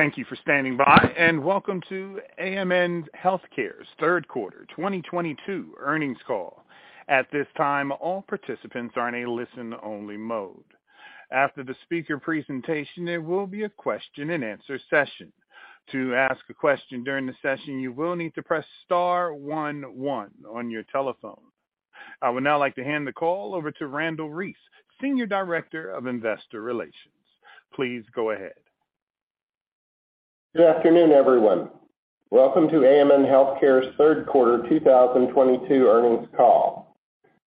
Thank you for standing by, and welcome to AMN Healthcare's Third Quarter 2022 Earnings Call. At this time, all participants are in a listen-only mode. After the speaker presentation, there will be a question-and-answer session. To ask a question during the session, you will need to press star one one on your telephone. I would now like to hand the call over to Randle Reece, Senior Director of Investor Relations. Please go ahead. Good afternoon, everyone. Welcome to AMN Healthcare's Third Quarter 2022 Earnings Call.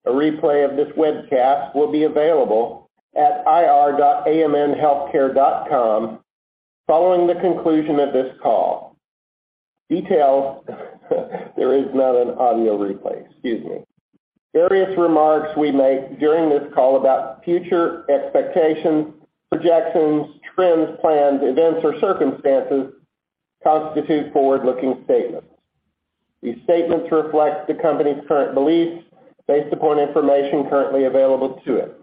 A replay of this webcast will be available at ir.amnhealthcare.com following the conclusion of this call. Details: there is no audio replay. Excuse me. Various remarks we make during this call about future expectations, projections, trends, plans, events, or circumstances constitute forward-looking statements. These statements reflect the company's current beliefs based upon information currently available to it.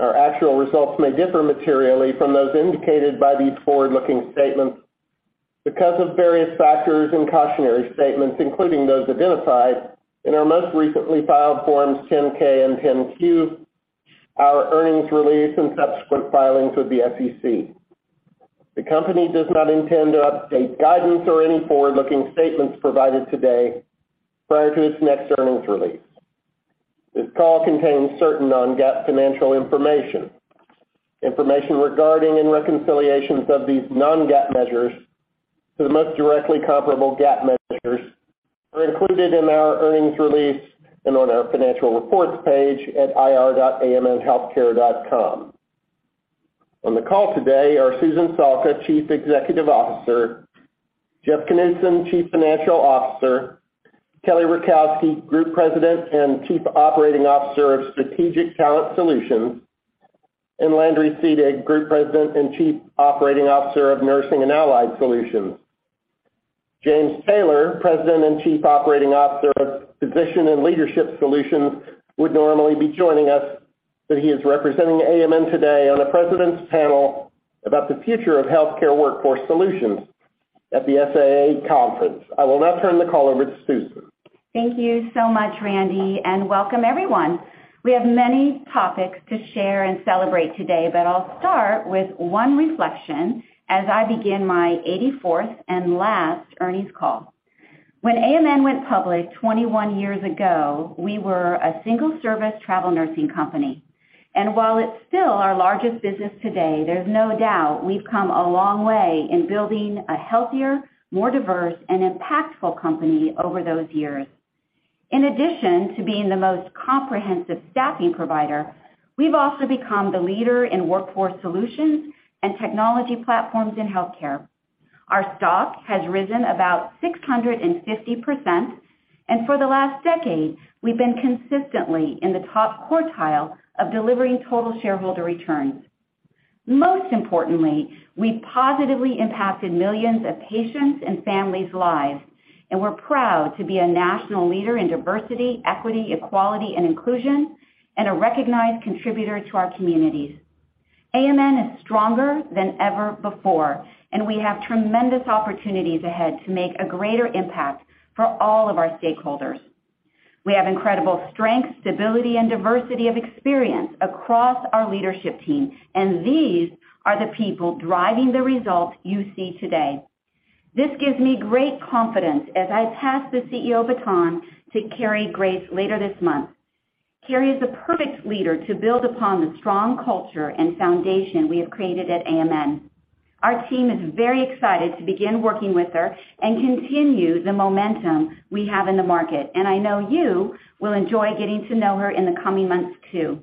Our actual results may differ materially from those indicated by these forward-looking statements because of various factors and cautionary statements, including those identified in our most recently filed Form 10-K and Form 10-Q, our earnings release, and subsequent filings with the SEC. The company does not intend to update guidance or any forward-looking statements provided today prior to its next earnings release. This call contains certain non-GAAP financial information. Information regarding and reconciliations of these non-GAAP measures to the most directly comparable GAAP measures are included in our earnings release and on our financial reports page at ir.amnhealthcare.com. On the call today are Susan Salka, Chief Executive Officer, Jeff Knudson, Chief Financial Officer, Kelly Rakowski, Group President and Chief Operating Officer of Strategic Talent Solutions, and Landry Seedig, Group President and Chief Operating Officer of Nursing and Allied Solutions. James Taylor, President and Chief Operating Officer of Physician and Leadership Solutions, would normally be joining us, but he is representing AMN today on a president's panel about the future of healthcare workforce solutions at the SIA conference. I will now turn the call over to Susan. Thank you so much, Randy, and welcome everyone. We have many topics to share and celebrate today, but I'll start with one reflection as I begin my 84th and last earnings call. When AMN went public 21 years ago, we were a single service travel nursing company. While it's still our largest business today, there's no doubt we've come a long way in building a healthier, more diverse, and impactful company over those years. In addition to being the most comprehensive staffing provider, we've also become the leader in workforce solutions and technology platforms in healthcare. Our stock has risen about 650%, and for the last decade, we've been consistently in the top quartile of delivering total shareholder returns. Most importantly, we positively impacted millions of patients' and families' lives, and we're proud to be a national leader in diversity, equity, equality, and inclusion, and a recognized contributor to our communities. AMN is stronger than ever before, and we have tremendous opportunities ahead to make a greater impact for all of our stakeholders. We have incredible strength, stability, and diversity of experience across our leadership team, and these are the people driving the results you see today. This gives me great confidence as I pass the CEO baton to Cary Grace later this month. Cary is the perfect leader to build upon the strong culture and foundation we have created at AMN. Our team is very excited to begin working with her and continue the momentum we have in the market, and I know you will enjoy getting to know her in the coming months too.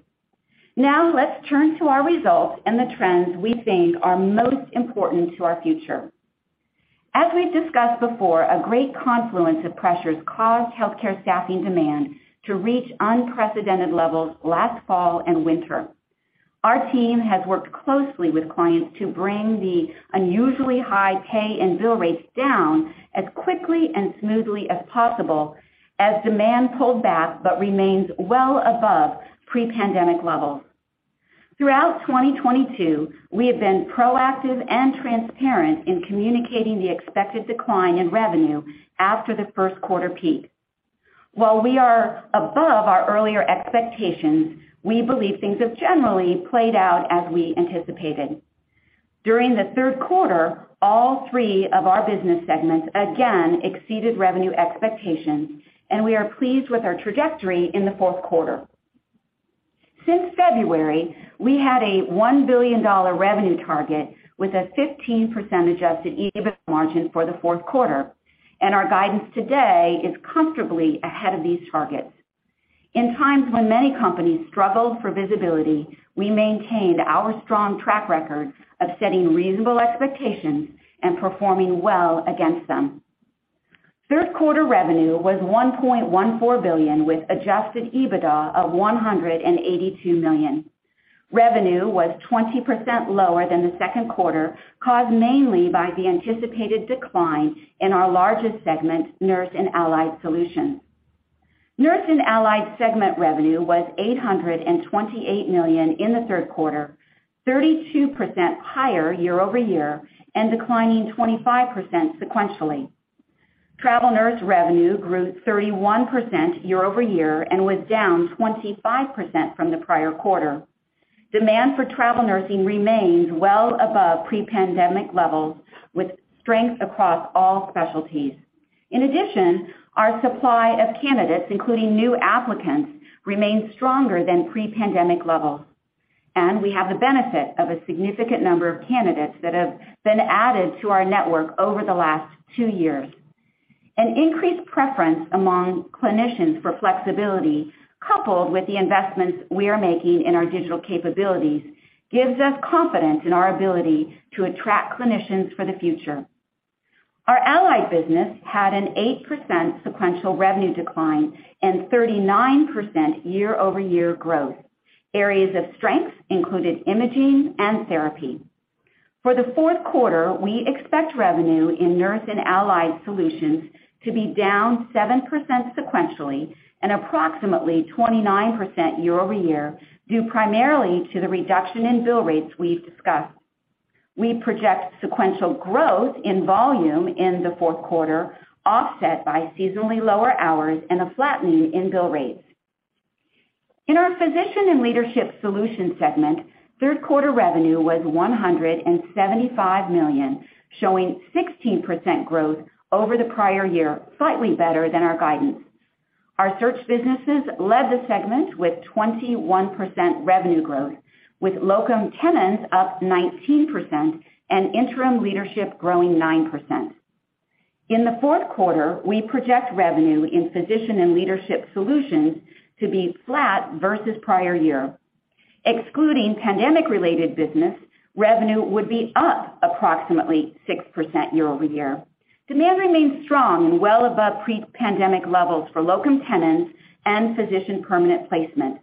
Now, let's turn to our results and the trends we think are most important to our future. As we've discussed before, a great confluence of pressures caused healthcare staffing demand to reach unprecedented levels last fall and winter. Our team has worked closely with clients to bring the unusually high pay and bill rates down as quickly and smoothly as possible as demand pulled back, but remains well above pre-pandemic levels. Throughout 2022, we have been proactive and transparent in communicating the expected decline in revenue after the first quarter peak. While we are above our earlier expectations, we believe things have generally played out as we anticipated. During the third quarter, all three of our business segments again exceeded revenue expectations, and we are pleased with our trajectory in the fourth quarter. Since February, we had a $1 billion revenue target with a 15% adjusted EBITDA margin for the fourth quarter, and our guidance today is comfortably ahead of these targets. In times when many companies struggled for visibility, we maintained our strong track record of setting reasonable expectations and performing well against them. Third quarter revenue was $1.14 billion, with adjusted EBITDA of $182 million. Revenue was 20% lower than the second quarter, caused mainly by the anticipated decline in our largest segment, Nurse and Allied Solutions. Nurse and Allied segment revenue was $828 million in the third quarter, 32% higher year-over-year, and declining 25% sequentially. Travel nurse revenue grew 31% year-over-year and was down 25% from the prior quarter. Demand for travel nursing remains well above pre-pandemic levels, with strength across all specialties. In addition, our supply of candidates, including new applicants, remains stronger than pre-pandemic levels, and we have the benefit of a significant number of candidates that have been added to our network over the last two years. An increased preference among clinicians for flexibility, coupled with the investments we are making in our digital capabilities, gives us confidence in our ability to attract clinicians for the future. Our allied business had an 8% sequential revenue decline and 39% year-over-year growth. Areas of strength included imaging and therapy. For the fourth quarter, we expect revenue in Nurse and Allied Solutions to be down 7% sequentially and approximately 29% year-over-year, due primarily to the reduction in bill rates we've discussed. We project sequential growth in volume in the fourth quarter, offset by seasonally lower hours and a flattening in bill rates. In our Physician and Leadership Solutions segment, third quarter revenue was $175 million, showing 16% growth over the prior year, slightly better than our guidance. Our search businesses led the segment with 21% revenue growth, with Locum Tenens up 19% and Interim Leadership growing 9%. In the fourth quarter, we project revenue in Physician and Leadership Solutions to be flat versus prior year. Excluding pandemic-related business, revenue would be up approximately 6% year-over-year. Demand remains strong and well above pre-pandemic levels for Locum Tenens and Physician Permanent Placement.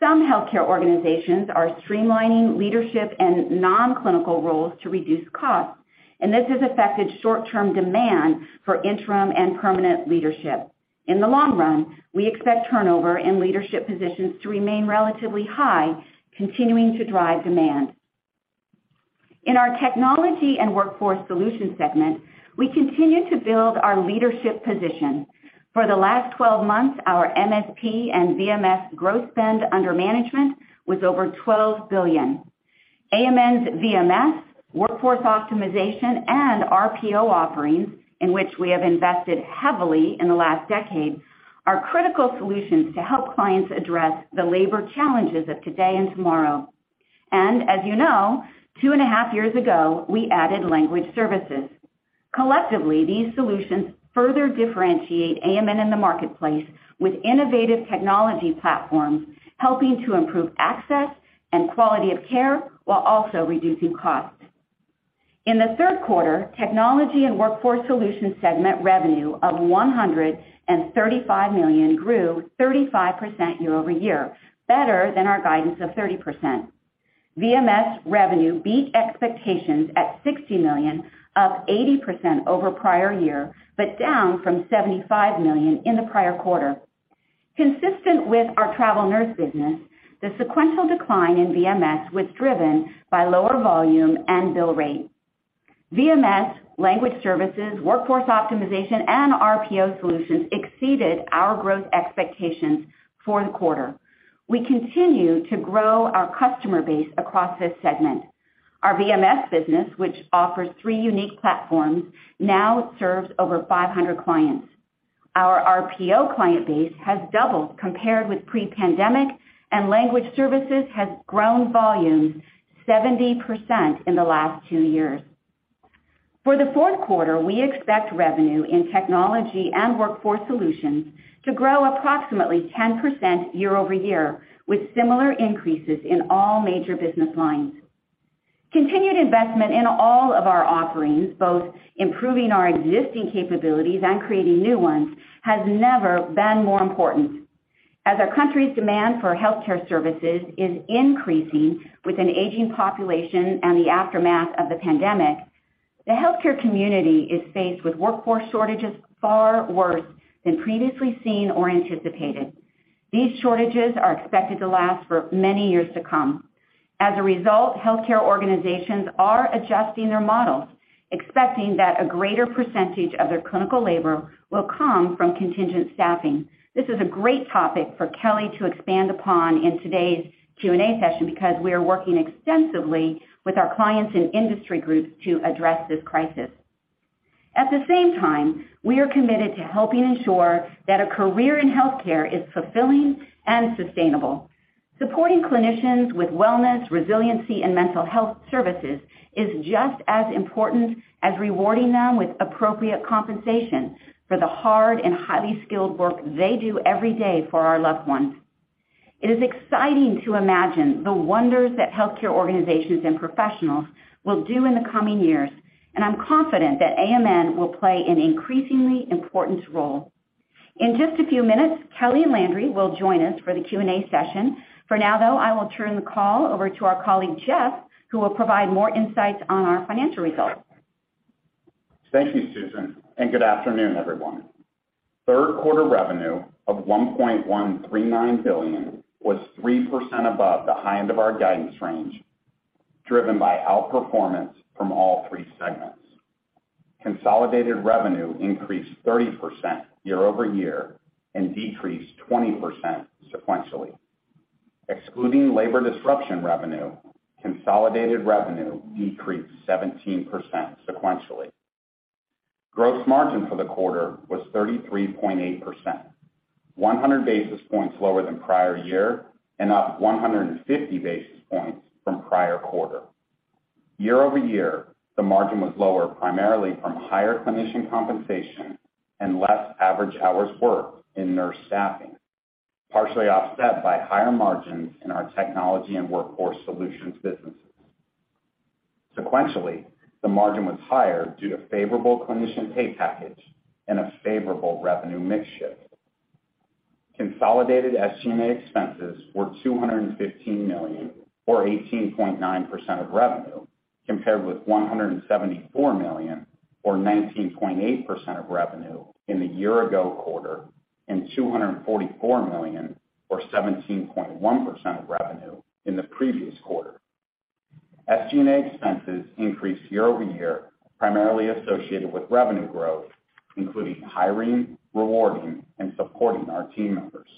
Some healthcare organizations are streamlining leadership and non-clinical roles to reduce costs, and this has affected short-term demand for interim and permanent leadership. In the long run, we expect turnover in leadership positions to remain relatively high, continuing to drive demand. In our Technology and Workforce Solutions segment, we continue to build our leadership position. For the last 12 months, our MSP and VMS growth spend under management was over $12 billion. AMN's VMS, Workforce Optimization, and RPO offerings, in which we have invested heavily in the last decade, are critical solutions to help clients address the labor challenges of today and tomorrow. As you know, two and a half years ago, we added language services. Collectively, these solutions further differentiate AMN in the marketplace with innovative technology platforms, helping to improve access and quality of care while also reducing costs. In the third quarter, Technology and Workforce Solutions segment revenue of $135 million grew 35% year-over-year, better than our guidance of 30%. VMS revenue beat expectations at $60 million, up 80% over prior year, but down from $75 million in the prior quarter. Consistent with our travel nurse business, the sequential decline in VMS was driven by lower volume and bill rate. VMS, language services, Workforce Optimization, and RPO solutions exceeded our growth expectations for the quarter. We continue to grow our customer base across this segment. Our VMS business, which offers three unique platforms, now serves over 500 clients. Our RPO client base has doubled compared with pre-pandemic, and language services has grown volumes 70% in the last two years. For the fourth quarter, we expect revenue in Technology and Workforce Solutions to grow approximately 10% year-over-year, with similar increases in all major business lines. Continued investment in all of our offerings, both improving our existing capabilities and creating new ones, has never been more important. As our country's demand for healthcare services is increasing with an aging population and the aftermath of the pandemic, the healthcare community is faced with workforce shortages far worse than previously seen or anticipated. These shortages are expected to last for many years to come. As a result, healthcare organizations are adjusting their models, expecting that a greater percentage of their clinical labor will come from contingent staffing. This is a great topic for Kelly to expand upon in today's Q&A session because we are working extensively with our clients and industry groups to address this crisis. At the same time, we are committed to helping ensure that a career in healthcare is fulfilling and sustainable. Supporting clinicians with wellness, resiliency, and mental health services is just as important as rewarding them with appropriate compensation for the hard and highly skilled work they do every day for our loved ones. It is exciting to imagine the wonders that healthcare organizations and professionals will do in the coming years, and I'm confident that AMN will play an increasingly important role. In just a few minutes, Kelly and Landry will join us for the Q&A session. For now, though, I will turn the call over to our colleague, Jeff, who will provide more insights on our financial results. Thank you, Susan, and good afternoon, everyone. Third quarter revenue of $1.139 billion was 3% above the high end of our guidance range, driven by outperformance from all three segments. Consolidated revenue increased 30% year-over-year and decreased 20% sequentially. Excluding labor disruption revenue, consolidated revenue decreased 17% sequentially. Gross margin for the quarter was 33.8%, 100 basis points lower than prior year and up 150 basis points from prior quarter. Year-over-year, the margin was lower primarily from higher clinician compensation and less average hours worked in nurse staffing, partially offset by higher margins in our technology and workforce solutions businesses. Sequentially, the margin was higher due to favorable clinician pay package and a favorable revenue mix shift. Consolidated SG&A expenses were $215 million or 18.9% of revenue, compared with $174 million or 19.8% of revenue in the year-ago quarter and $244 million or 17.1% of revenue in the previous quarter. SG&A expenses increased year-over-year, primarily associated with revenue growth, including hiring, rewarding, and supporting our team members.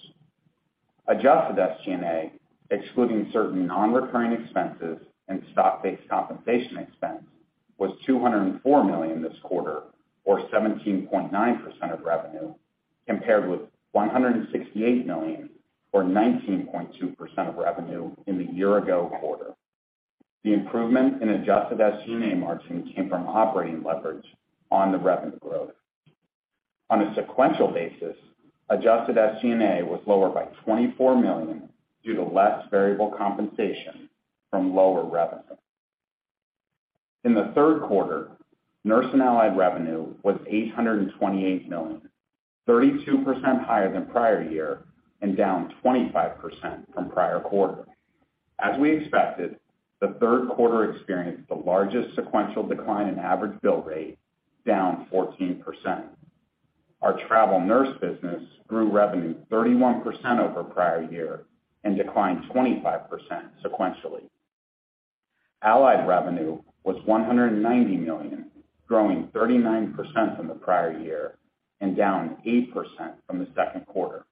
Adjusted SG&A, excluding certain non-recurring expenses and stock-based compensation expense, was $204 million this quarter or 17.9% of revenue, compared with $168 million or 19.2% of revenue in the year-ago quarter. The improvement in adjusted SG&A margin came from operating leverage on the revenue growth. On a sequential basis, adjusted SG&A was lower by $24 million due to less variable compensation from lower revenue. In the third quarter, Nurse and Allied revenue was $828 million, 32% higher than prior year and down 25% from prior quarter. As we expected, the third quarter experienced the largest sequential decline in average bill rate, down 14%. Our travel nurse business grew revenue 31% over prior year and declined 25% sequentially. Allied revenue was $190 million, growing 39% from the prior year and down 8% from the second quarter.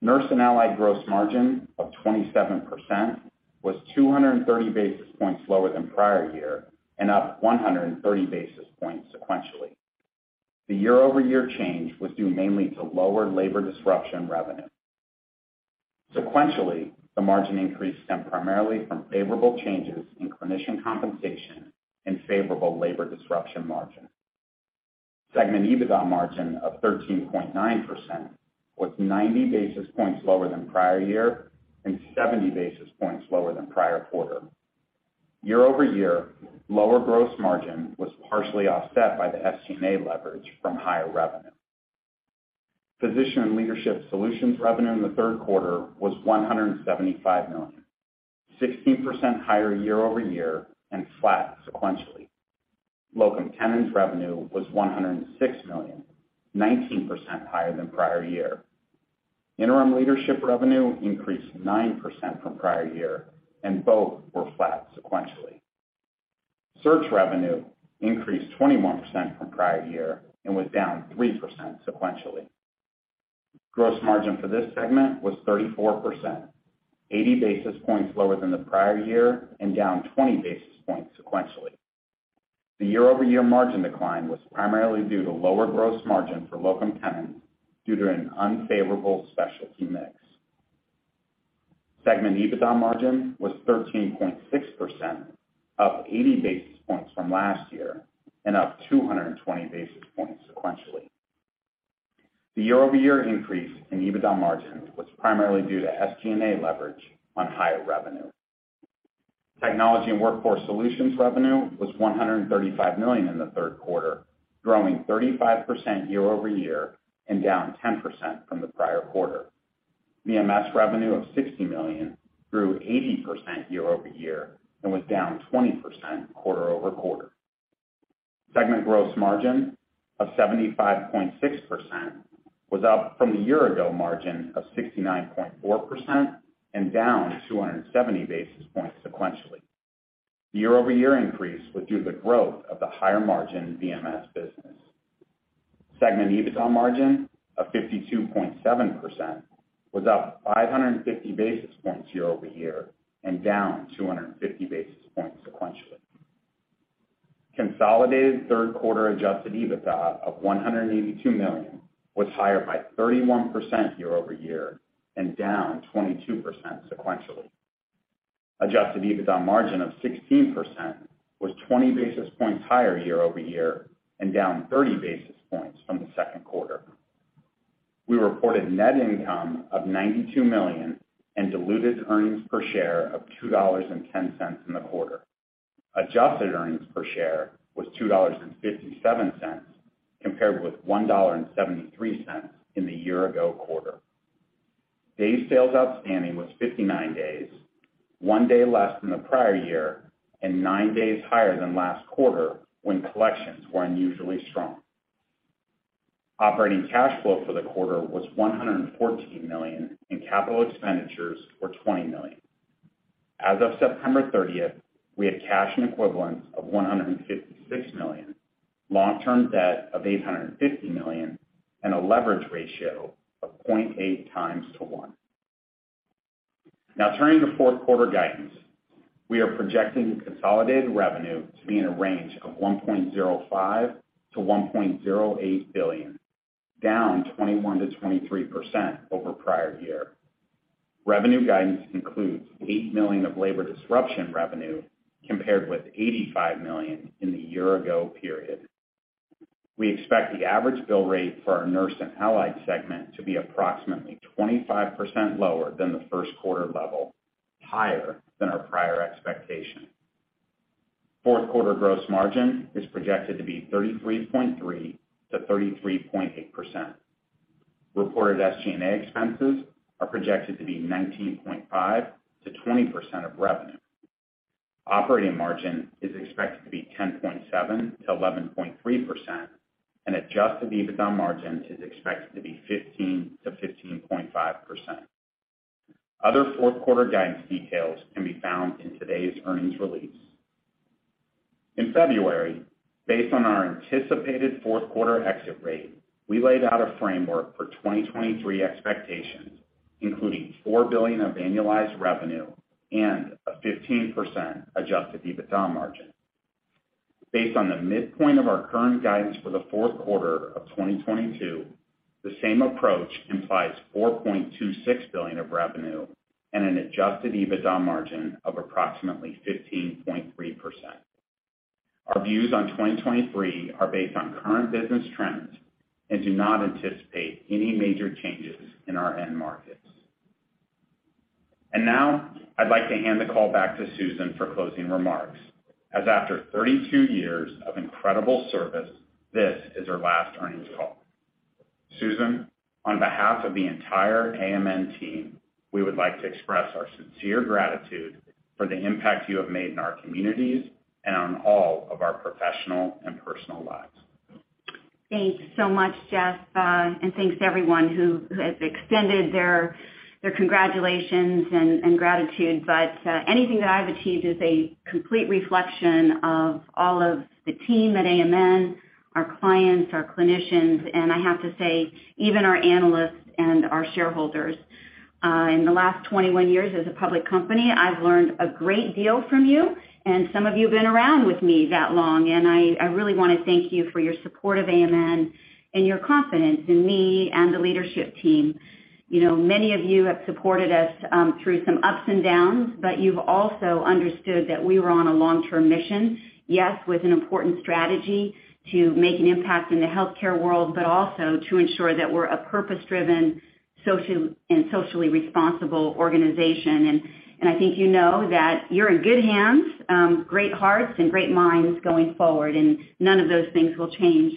Nurse and Allied gross margin of 27% was 230 basis points lower than prior year and up 130 basis points sequentially. The year-over-year change was due mainly to lower labor disruption revenue. Sequentially, the margin increase stemmed primarily from favorable changes in clinician compensation and favorable labor disruption margin. Segment EBITDA margin of 13.9% was 90 basis points lower than prior year and 70 basis points lower than prior quarter. Year-over-year, lower gross margin was partially offset by the SG&A leverage from higher revenue. Physician and Leadership Solutions revenue in the third quarter was $175 million, 16% higher year-over-year and flat sequentially. Locum Tenens revenue was $106 million, 19% higher than prior year. Interim Leadership revenue increased 9% from prior year and both were flat sequentially. Search revenue increased 21% from prior year and was down 3% sequentially. Gross margin for this segment was 34%, 80 basis points lower than the prior year and down 20 basis points sequentially. The year-over-year margin decline was primarily due to lower gross margin for Locum Tenens due to an unfavorable specialty mix. Segment EBITDA margin was 13.6%, up 80 basis points from last year and up 220 basis points sequentially. The year-over-year increase in EBITDA margin was primarily due to SG&A leverage on higher revenue. Technology and Workforce Solutions revenue was $135 million in the third quarter, growing 35% year-over-year and down 10% from the prior quarter. VMS revenue of $60 million grew 80% year-over-year and was down 20% quarter-over-quarter. Segment gross margin of 75.6% was up from the year-ago margin of 69.4% and down 270 basis points sequentially. Year-over-year increase was due to the growth of the higher margin VMS business. Segment EBITDA margin of 52.7% was up 550 basis points year-over-year and down 250 basis points sequentially. Consolidated third-quarter adjusted EBITDA of $182 million was higher by 31% year-over-year and down 22% sequentially. Adjusted EBITDA margin of 16% was 20 basis points higher year-over-year and down 30 basis points from the second quarter. We reported net income of $92 million and diluted earnings per share of $2.10 in the quarter. Adjusted earnings per share was $2.57 compared with $1.73 in the year ago quarter. Day sales outstanding was 59 days, one day less than the prior year and nine days higher than last quarter when collections were unusually strong. Operating cash flow for the quarter was $114 million, and capital expenditures were $20 million. As of September 30th, we had cash and equivalents of $156 million, long-term debt of $850 million, and a leverage ratio of 0.8x to 1x. Now, turning to fourth quarter guidance. We are projecting consolidated revenue to be in a range of $1.05 billion-$1.08 billion, down 21%-23% over prior year. Revenue guidance includes $8 million of labor disruption revenue, compared with $85 million in the year ago period. We expect the average bill rate for our Nurse and Allied segment to be approximately 25% lower than the first quarter level, higher than our prior expectation. Fourth quarter gross margin is projected to be 33.3%-33.8%. Reported SG&A expenses are projected to be 19.5%-20% of revenue. Operating margin is expected to be 10.7%-11.3%, and adjusted EBITDA margin is expected to be 15%-15.5%. Other fourth quarter guidance details can be found in today's earnings release. In February, based on our anticipated fourth quarter exit rate, we laid out a framework for 2023 expectations, including $4 billion of annualized revenue and a 15% adjusted EBITDA margin. Based on the midpoint of our current guidance for the fourth quarter of 2022, the same approach implies $4.26 billion of revenue and an adjusted EBITDA margin of approximately 15.3%. Our views on 2023 are based on current business trends and do not anticipate any major changes in our end markets. Now I'd like to hand the call back to Susan for closing remarks. As after 32 years of incredible service, this is her last earnings call. Susan, on behalf of the entire AMN team, we would like to express our sincere gratitude for the impact you have made in our communities and on all of our professional and personal lives. Thanks so much, Jeff. And thanks to everyone who has extended their congratulations and gratitude. Anything that I've achieved is a complete reflection of all of the team at AMN, our clients, our clinicians, and I have to say even our analysts and our shareholders. In the last 21 years as a public company, I've learned a great deal from you, and some of you have been around with me that long, and I really wanna thank you for your support of AMN and your confidence in me and the leadership team. You know, many of you have supported us through some ups and downs, but you've also understood that we were on a long-term mission, yes, with an important strategy to make an impact in the healthcare world, but also to ensure that we're a purpose-driven social and socially responsible organization. I think you know that you're in good hands, great hearts and great minds going forward, and none of those things will change.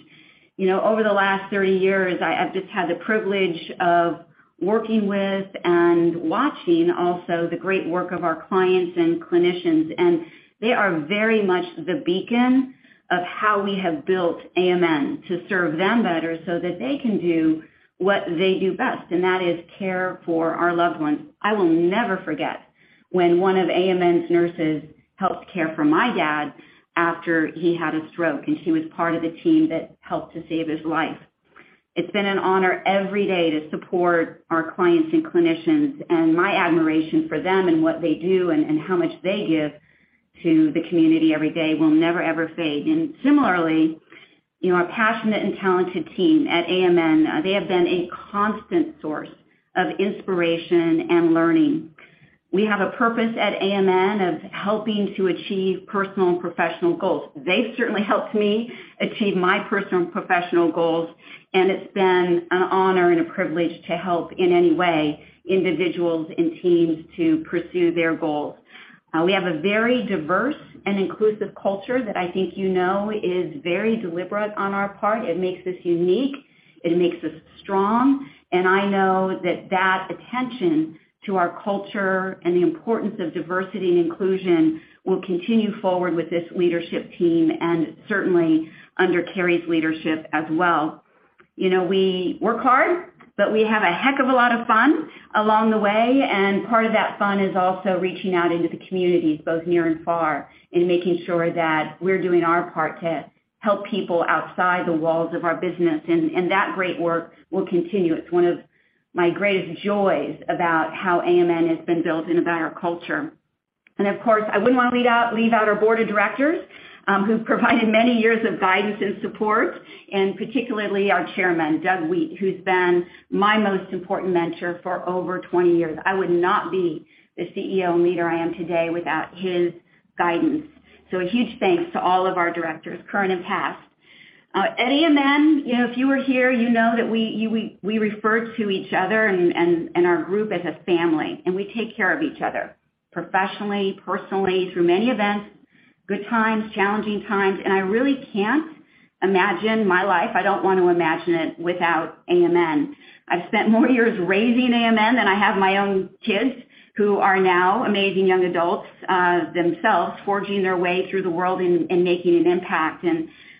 You know, over the last 30 years, I've just had the privilege of working with and watching also the great work of our clients and clinicians, and they are very much the beacon of how we have built AMN to serve them better so that they can do what they do best, and that is care for our loved ones. I will never forget when one of AMN's nurses helped care for my dad after he had a stroke, and she was part of the team that helped to save his life. It's been an honor every day to support our clients and clinicians, and my admiration for them and what they do and how much they give to the community every day will never, ever fade. Similarly, you know, our passionate and talented team at AMN, they have been a constant source of inspiration and learning. We have a purpose at AMN of helping to achieve personal and professional goals. They've certainly helped me achieve my personal and professional goals, and it's been an honor and a privilege to help in any way individuals and teams to pursue their goals. We have a very diverse and inclusive culture that I think you know is very deliberate on our part. It makes us unique, it makes us strong, and I know that that attention to our culture and the importance of diversity and inclusion will continue forward with this leadership team and certainly under Cary's leadership as well. You know, we work hard, but we have a heck of a lot of fun along the way, and part of that fun is also reaching out into the communities, both near and far, and making sure that we're doing our part to help people outside the walls of our business, and that great work will continue. It's one of my greatest joys about how AMN has been built and about our culture. Of course, I wouldn't wanna leave out our board of directors, who've provided many years of guidance and support, and particularly our chairman, Doug Wheat, who's been my most important mentor for over 20 years. I would not be the CEO and leader I am today without his guidance. A huge thanks to all of our directors, current and past. At AMN, you know, if you were here, you know that we refer to each other and our group as a family, and we take care of each other professionally, personally, through many events. Good times, challenging times, and I really can't imagine my life. I don't want to imagine it without AMN. I've spent more years raising AMN than I have my own kids, who are now amazing young adults, themselves forging their way through the world and making an impact.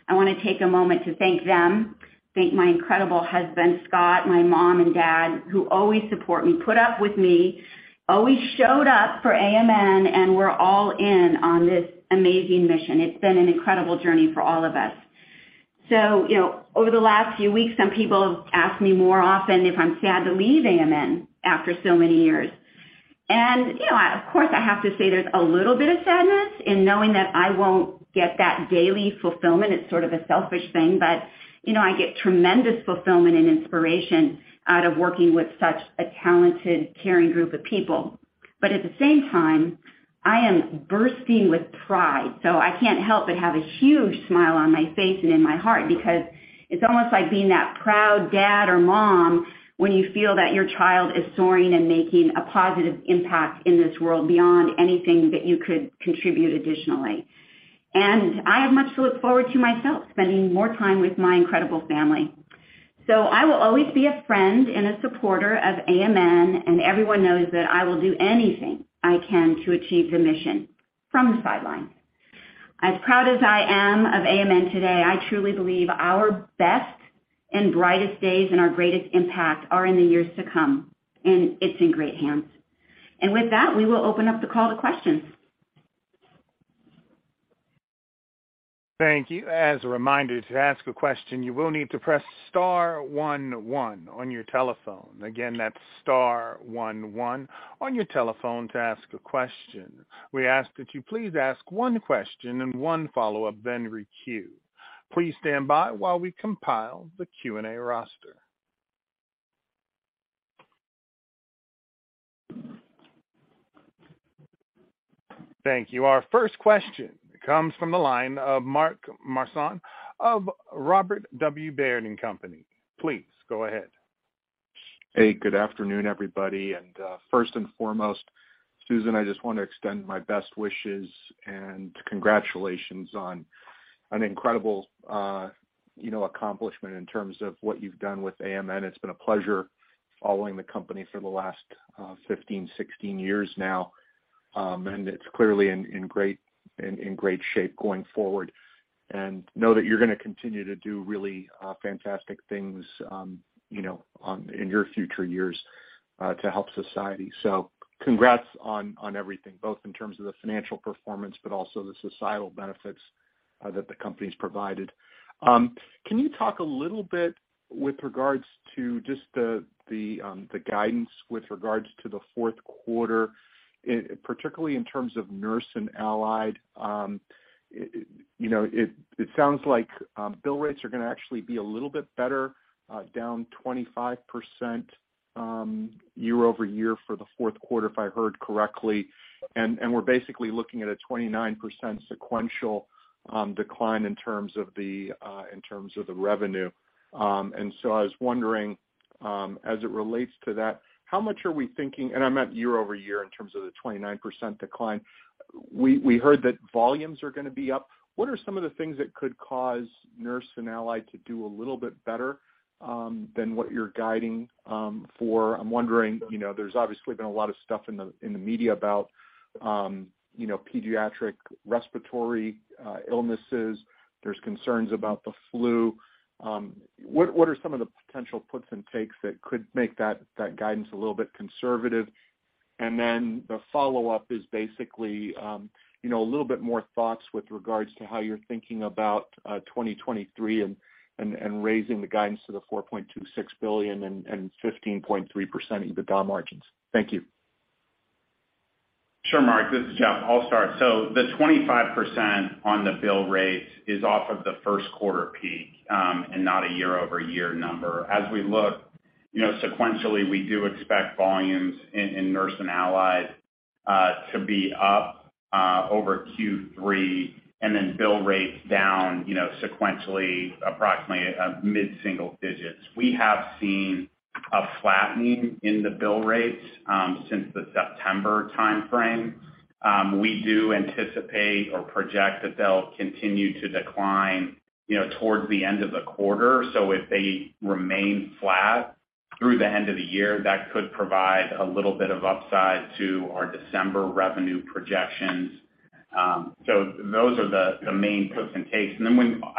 I wanna take a moment to thank them, thank my incredible husband, Scott, my mom and dad, who always support me, put up with me, always showed up for AMN, and we're all in on this amazing mission. It's been an incredible journey for all of us. You know, over the last few weeks, some people have asked me more often if I'm sad to leave AMN after so many years. You know, of course, I have to say there's a little bit of sadness in knowing that I won't get that daily fulfillment. It's sort of a selfish thing, but, you know, I get tremendous fulfillment and inspiration out of working with such a talented, caring group of people. At the same time, I am bursting with pride, so I can't help but have a huge smile on my face and in my heart because it's almost like being that proud dad or mom when you feel that your child is soaring and making a positive impact in this world beyond anything that you could contribute additionally. I have much to look forward to myself, spending more time with my incredible family. I will always be a friend and a supporter of AMN, and everyone knows that I will do anything I can to achieve the mission from the sidelines. As proud as I am of AMN today, I truly believe our best and brightest days and our greatest impact are in the years to come, and it's in great hands. With that, we will open up the call to questions. Thank you. As a reminder, to ask a question, you will need to press star one one on your telephone. Again, that's star one one on your telephone to ask a question. We ask that you please ask one question and one follow-up, then queue. Please stand by while we compile the Q&A roster. Thank you. Our first question comes from the line of Mark Marcon of Robert W. Baird & Co. Please go ahead. Hey, good afternoon, everybody. First and foremost, Susan, I just want to extend my best wishes and congratulations on an incredible, you know, accomplishment in terms of what you've done with AMN. It's been a pleasure following the company for the last 15, 16 years now, and it's clearly in great shape going forward. I know that you're gonna continue to do really fantastic things, you know, in your future years to help society. Congrats on everything, both in terms of the financial performance, but also the societal benefits that the company's provided. Can you talk a little bit with regards to just the guidance with regards to the fourth quarter, particularly in terms of Nurse and Allied? You know, it sounds like bill rates are gonna actually be a little bit better down 25% year-over-year for the fourth quarter, if I heard correctly. We're basically looking at a 29% sequential decline in terms of the revenue. I was wondering as it relates to that, how much are we thinking, and I meant year-over-year in terms of the 29% decline. We heard that volumes are gonna be up. What are some of the things that could cause Nurse and Allied to do a little bit better than what you're guiding for? I'm wondering, you know, there's obviously been a lot of stuff in the media about, you know, pediatric respiratory illnesses. There's concerns about the flu. What are some of the potential puts and takes that could make that guidance a little bit conservative? The follow-up is basically, you know, a little bit more thoughts with regards to how you're thinking about 2023 and raising the guidance to the $4.26 billion and 15.3% EBITDA margins. Thank you. Sure, Mark. This is Jeff. I'll start. The 25% on the bill rate is off of the first quarter peak and not a year-over-year number. As we look, you know, sequentially, we do expect volumes in Nurse and Allied to be up over Q3, and then bill rates down, you know, sequentially approximately mid-single digits. We have seen a flattening in the bill rates since the September timeframe. We do anticipate or project that they'll continue to decline, you know, towards the end of the quarter. If they remain flat through the end of the year, that could provide a little bit of upside to our December revenue projections. Those are the main puts and takes.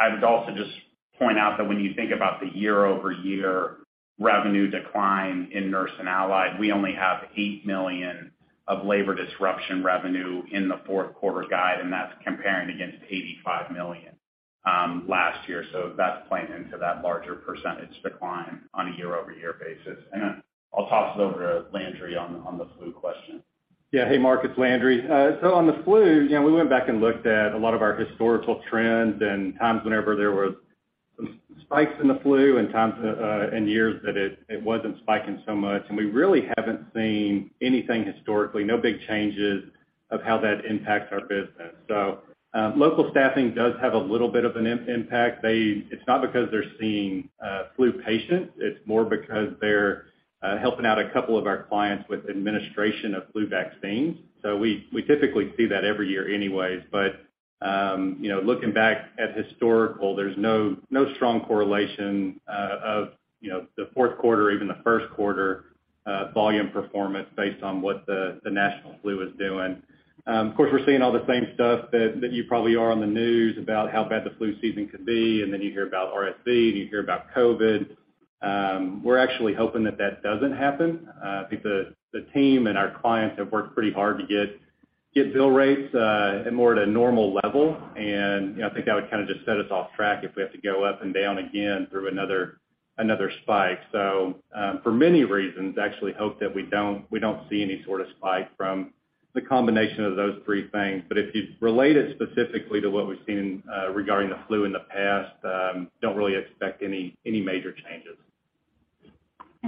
I would also just point out that when you think about the year-over-year revenue decline in Nurse and Allied, we only have $8 million of labor disruption revenue in the fourth quarter guide, and that's comparing against $85 million last year. That's playing into that larger percentage decline on a year-over-year basis. I'll toss it over to Landry on the flu question. Yeah. Hey, Mark, it's Landry. On the flu, you know, we went back and looked at a lot of our historical trends and times whenever there were spikes in the flu and times and years that it wasn't spiking so much. We really haven't seen anything historically, no big changes of how that impacts our business. Local staffing does have a little bit of an impact. It's not because they're seeing flu patients, it's more because they're helping out a couple of our clients with administration of flu vaccines. We typically see that every year anyways. But, you know, looking back at historical, there's no strong correlation of, you know, the fourth quarter or even the first quarter volume performance based on what the national flu is doing. Of course, we're seeing all the same stuff that you probably are on the news about how bad the flu season could be, and then you hear about RSV and you hear about COVID. We're actually hoping that doesn't happen. I think the team and our clients have worked pretty hard to get bill rates more at a normal level. You know, I think that would kinda just set us off track if we have to go up and down again through another spike. For many reasons actually hope that we don't see any sort of spike from the combination of those three things. If you relate it specifically to what we've seen regarding the flu in the past, don't really expect any major changes.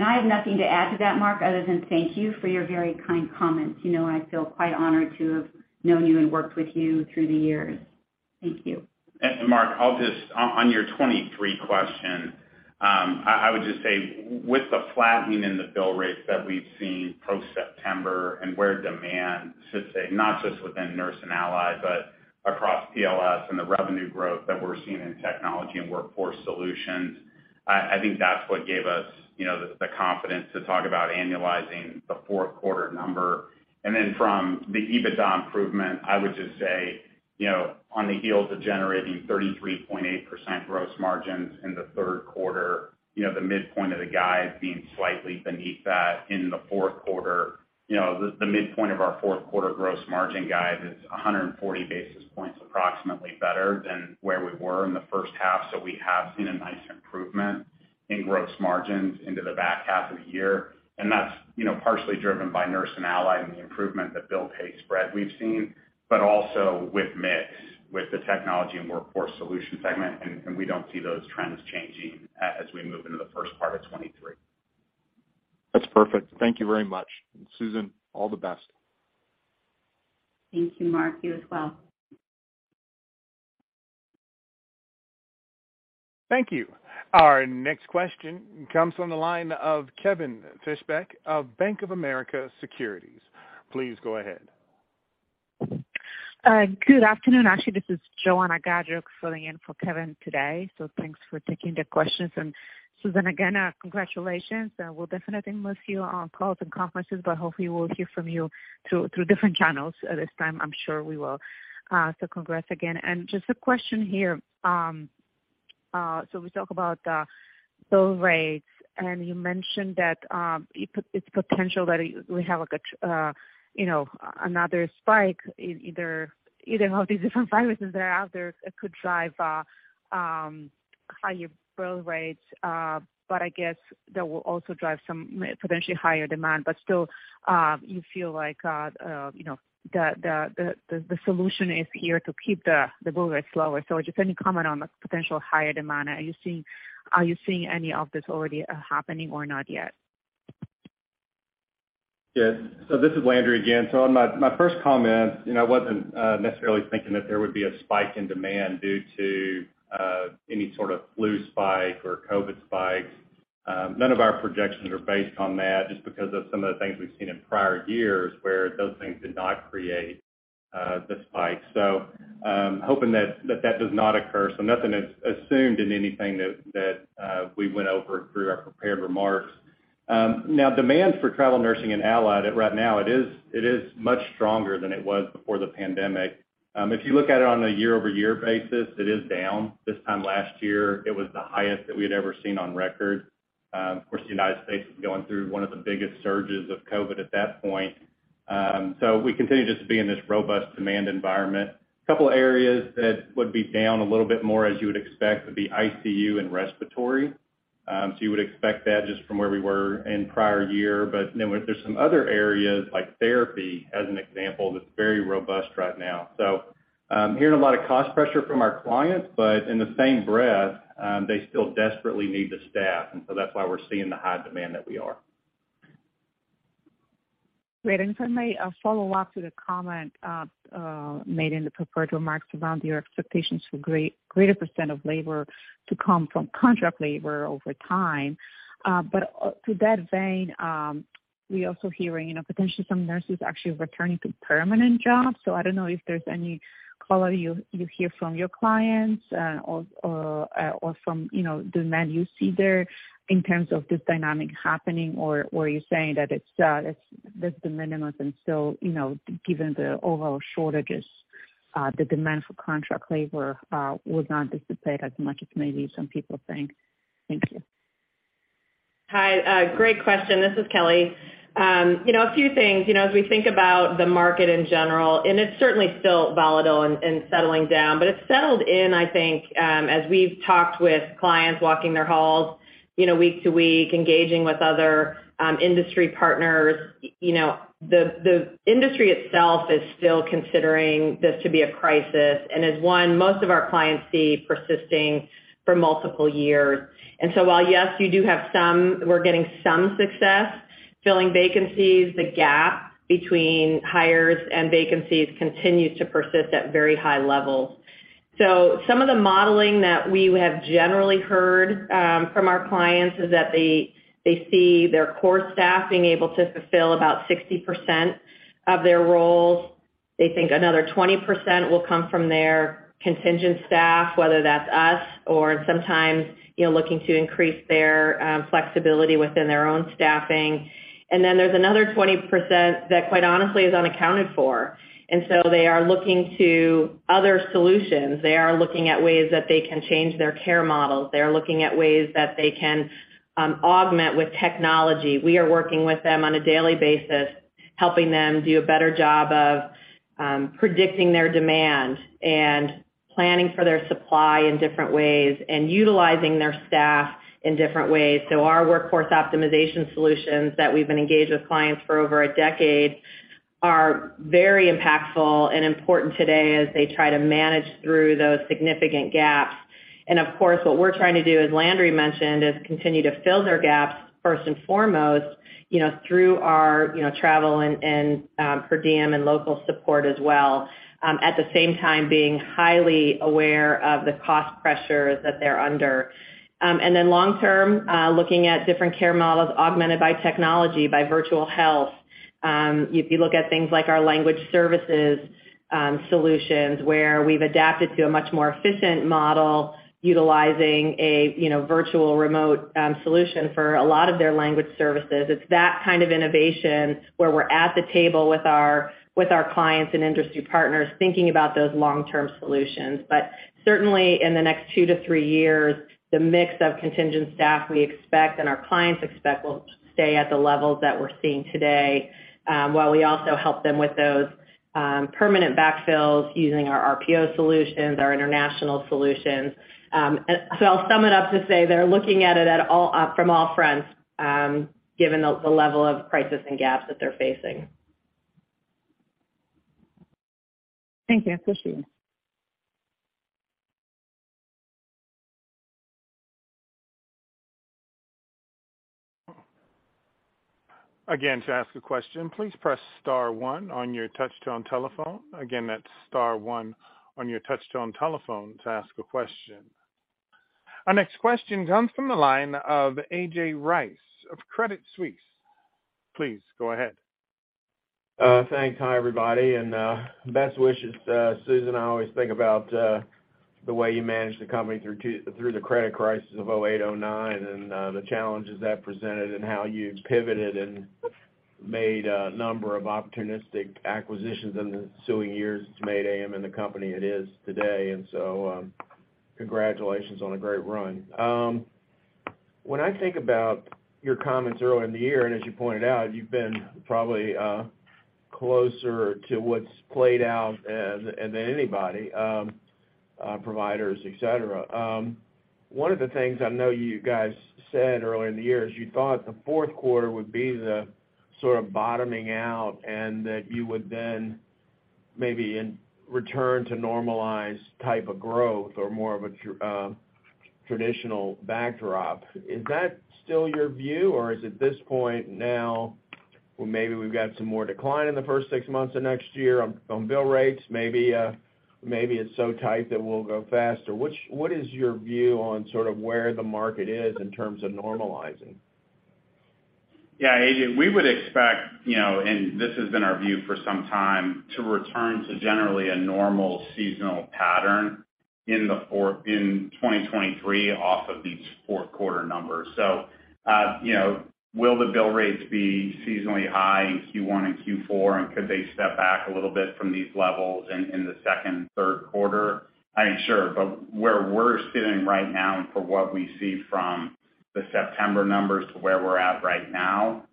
I have nothing to add to that, Mark, other than thank you for your very kind comments. You know, I feel quite honored to have known you and worked with you through the years. Thank you. Mark, on your 2023 question, I would just say with the flattening in the bill rates that we've seen post-September and where demand sits, say, not just within Nurse and Allied, but across PLS and the revenue growth that we're seeing in Technology and Workforce Solutions, I think that's what gave us, you know, the confidence to talk about annualizing the fourth quarter number. From the EBITDA improvement, I would just say, you know, on the heels of generating 33.8% gross margins in the third quarter, you know, the midpoint of the guide being slightly beneath that in the fourth quarter. You know, the midpoint of our fourth quarter gross margin guide is approximately 140 basis points better than where we were in the first half. We have seen a nice improvement in gross margins into the back half of the year, and that's, you know, partially driven by Nurse and Allied and the improvement that bill-pay spread we've seen, but also with mix, with the Technology and Workforce Solutions segment, and we don't see those trends changing as we move into the first part of 2023. That's perfect. Thank you very much. Susan, all the best. Thank you, Mark. You as well. Thank you. Our next question comes from the line of Kevin Fischbeck of Bank of America Securities. Please go ahead. Good afternoon. Actually, this is Joanna Gajuk filling in for Kevin today. Thanks for taking the questions. Susan, again, congratulations, and we'll definitely miss you on calls and conferences, but hopefully we'll hear from you through different channels this time. I'm sure we will. Congrats again. Just a question here. We talk about bill rates, and you mentioned that it's potential that we have a good, you know, another spike in either of these different viruses that are out there could drive higher bill rates, but I guess that will also drive some potentially higher demand. Still, you feel like, you know, the solution is here to keep the bill rates lower. Just any comment on the potential higher demand. Are you seeing any of this already, happening or not yet? Yes. This is Landry again. On my first comment, you know, I wasn't necessarily thinking that there would be a spike in demand due to any sort of flu spike or COVID spikes. None of our projections are based on that just because of some of the things we've seen in prior years where those things did not create the spike. Hoping that does not occur, nothing is assumed in anything that we went over through our prepared remarks. Now, demand for travel nursing and allied right now is much stronger than it was before the pandemic. If you look at it on a year-over-year basis, it is down. This time last year it was the highest that we had ever seen on record. Of course, the United States was going through one of the biggest surges of COVID at that point. We continue just to be in this robust demand environment. A couple areas that would be down a little bit more as you would expect would be ICU and respiratory. You would expect that just from where we were in prior year. There's some other areas like therapy, as an example, that's very robust right now. Hearing a lot of cost pressure from our clients, but in the same breath, they still desperately need the staff, and so that's why we're seeing the high demand that we are. Great. If I may follow up to the comment made in the prepared remarks around your expectations for greater % of labor to come from contract labor over time. To that vein, we're also hearing, you know, potentially some nurses actually returning to permanent jobs. I don't know if there's any color you hear from your clients, or from, you know, demand you see there in terms of this dynamic happening, or are you saying that it's just the minimums and so, you know, given the overall shortages, the demand for contract labor would not dissipate as much as maybe some people think. Thank you. Hi. Great question. This is Kelly. You know, a few things. You know, as we think about the market in general, and it's certainly still volatile and settling down, but it's settled in, I think, as we've talked with clients walking their halls, you know, week to week, engaging with other industry partners. You know, the industry itself is still considering this to be a crisis and is one most of our clients see persisting for multiple years. While, yes, you do have some, we're getting some success filling vacancies, the gap between hires and vacancies continues to persist at very high levels. Some of the modeling that we have generally heard from our clients is that they see their core staff being able to fulfill about 60% of their roles. They think another 20% will come from their contingent staff, whether that's us or sometimes, you know, looking to increase their flexibility within their own staffing. There's another 20% that quite honestly is unaccounted for. They are looking to other solutions. They are looking at ways that they can change their care models. They are looking at ways that they can augment with technology. We are working with them on a daily basis, helping them do a better job of predicting their demand and planning for their supply in different ways and utilizing their staff in different ways. Our Workforce Optimization solutions that we've been engaged with clients for over a decade are very impactful and important today as they try to manage through those significant gaps. Of course, what we're trying to do, as Landry mentioned, is continue to fill their gaps first and foremost, you know, through our, you know, travel and per diem and local support as well. At the same time being highly aware of the cost pressures that they're under. Long term, looking at different care models augmented by technology, by virtual health. If you look at things like our language services, solutions, where we've adapted to a much more efficient model utilizing a, you know, virtual remote, solution for a lot of their language services. It's that kind of innovation where we're at the table with our clients and industry partners thinking about those long-term solutions. Certainly in the next two-three years, the mix of contingent staff we expect and our clients expect will stay at the levels that we're seeing today, while we also help them with those permanent backfills using our RPO solutions, our international solutions. So I'll sum it up to say they're looking at it from all fronts, given the level of crisis and gaps that they're facing. Thank you. I appreciate it. Again, to ask a question, please press star one on your touch-tone telephone. Again, that's star one on your touch-tone telephone to ask a question. Our next question comes from the line of A.J. Rice of Credit Suisse. Please go ahead. Thanks. Hi, everybody. Best wishes, Susan. I always think about the way you managed the company through the credit crisis of 2008, 2009, and the challenges that presented and how you pivoted and made a number of opportunistic acquisitions in the ensuing years to make AMN the company it is today. Congratulations on a great run. When I think about your comments earlier in the year, and as you pointed out, you've been probably closer to what's played out than anybody, providers, et cetera. One of the things I know you guys said earlier in the year is you thought the fourth quarter would be the sort of bottoming out and that you would then maybe in turn return to normalized type of growth or more of a traditional backdrop. Is that still your view, or is it this point now where maybe we've got some more decline in the first six months of next year on bill rates? Maybe it's so tight that we'll go faster. What is your view on sort of where the market is in terms of normalizing? Yeah, A.J. We would expect, you know, this has been our view for some time, to return to generally a normal seasonal pattern in 2023 off of these fourth quarter numbers. You know, will the bill rates be seasonally high in Q1 and Q4, and could they step back a little bit from these levels in the second and third quarter? I mean, sure. Where we're sitting right now and for what we see from the September numbers to where we're at right now,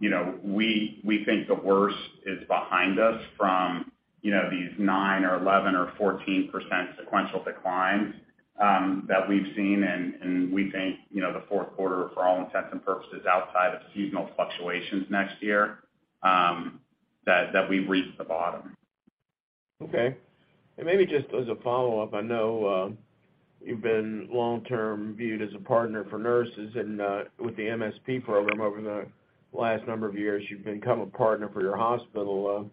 you know, we think the worst is behind us from, you know, these 9% or 11% or 14% sequential declines that we've seen. We think, you know, the fourth quarter, for all intents and purposes, outside of seasonal fluctuations next year, that we've reached the bottom. Okay. Maybe just as a follow-up, I know, you've been long-term viewed as a partner for nurses and, with the MSP program over the last number of years, you've become a partner for your hospital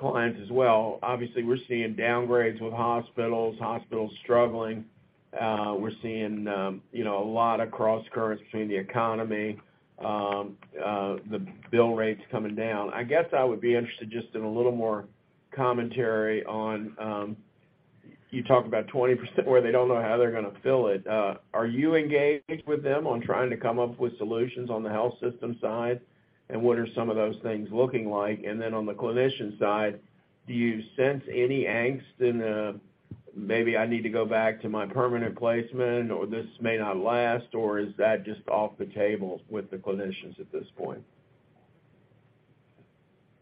clients as well. Obviously, we're seeing downgrades with hospitals struggling. We're seeing, you know, a lot of cross currents between the economy, the bill rates coming down. I guess I would be interested just in a little more commentary on, you talk about 20% where they don't know how they're gonna fill it. Are you engaged with them on trying to come up with solutions on the health system side? What are some of those things looking like? On the clinician side, do you sense any angst in, maybe I need to go back to my permanent placement, or this may not last, or is that just off the table with the clinicians at this point?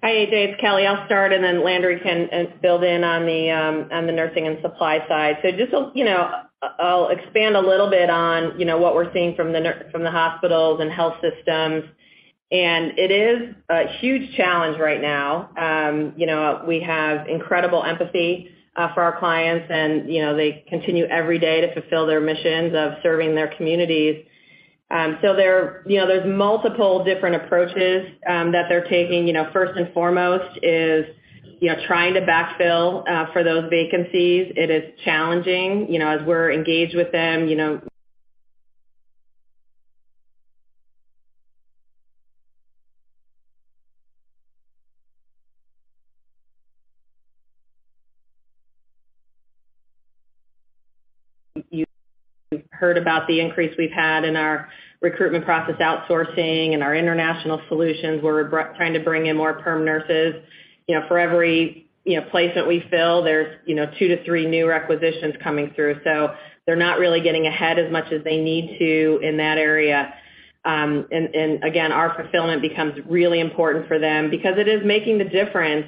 Hi, A.J., it's Kelly. I'll start, and then Landry can build on the nursing and supply side. Just, you know, I'll expand a little bit on, you know, what we're seeing from the hospitals and health systems, and it is a huge challenge right now. You know, we have incredible empathy for our clients, and, you know, they continue every day to fulfill their missions of serving their communities. There, you know, there's multiple different approaches that they're taking. You know, first and foremost is, you know, trying to backfill for those vacancies. It is challenging. You know, as we're engaged with them, you know. You heard about the increase we've had in our recruitment process outsourcing and our international solutions. We're trying to bring in more perm nurses. You know, for every, you know, placement we fill there's, you know, two-three new requisitions coming through. They're not really getting ahead as much as they need to in that area. And again, our fulfillment becomes really important for them because it is making the difference,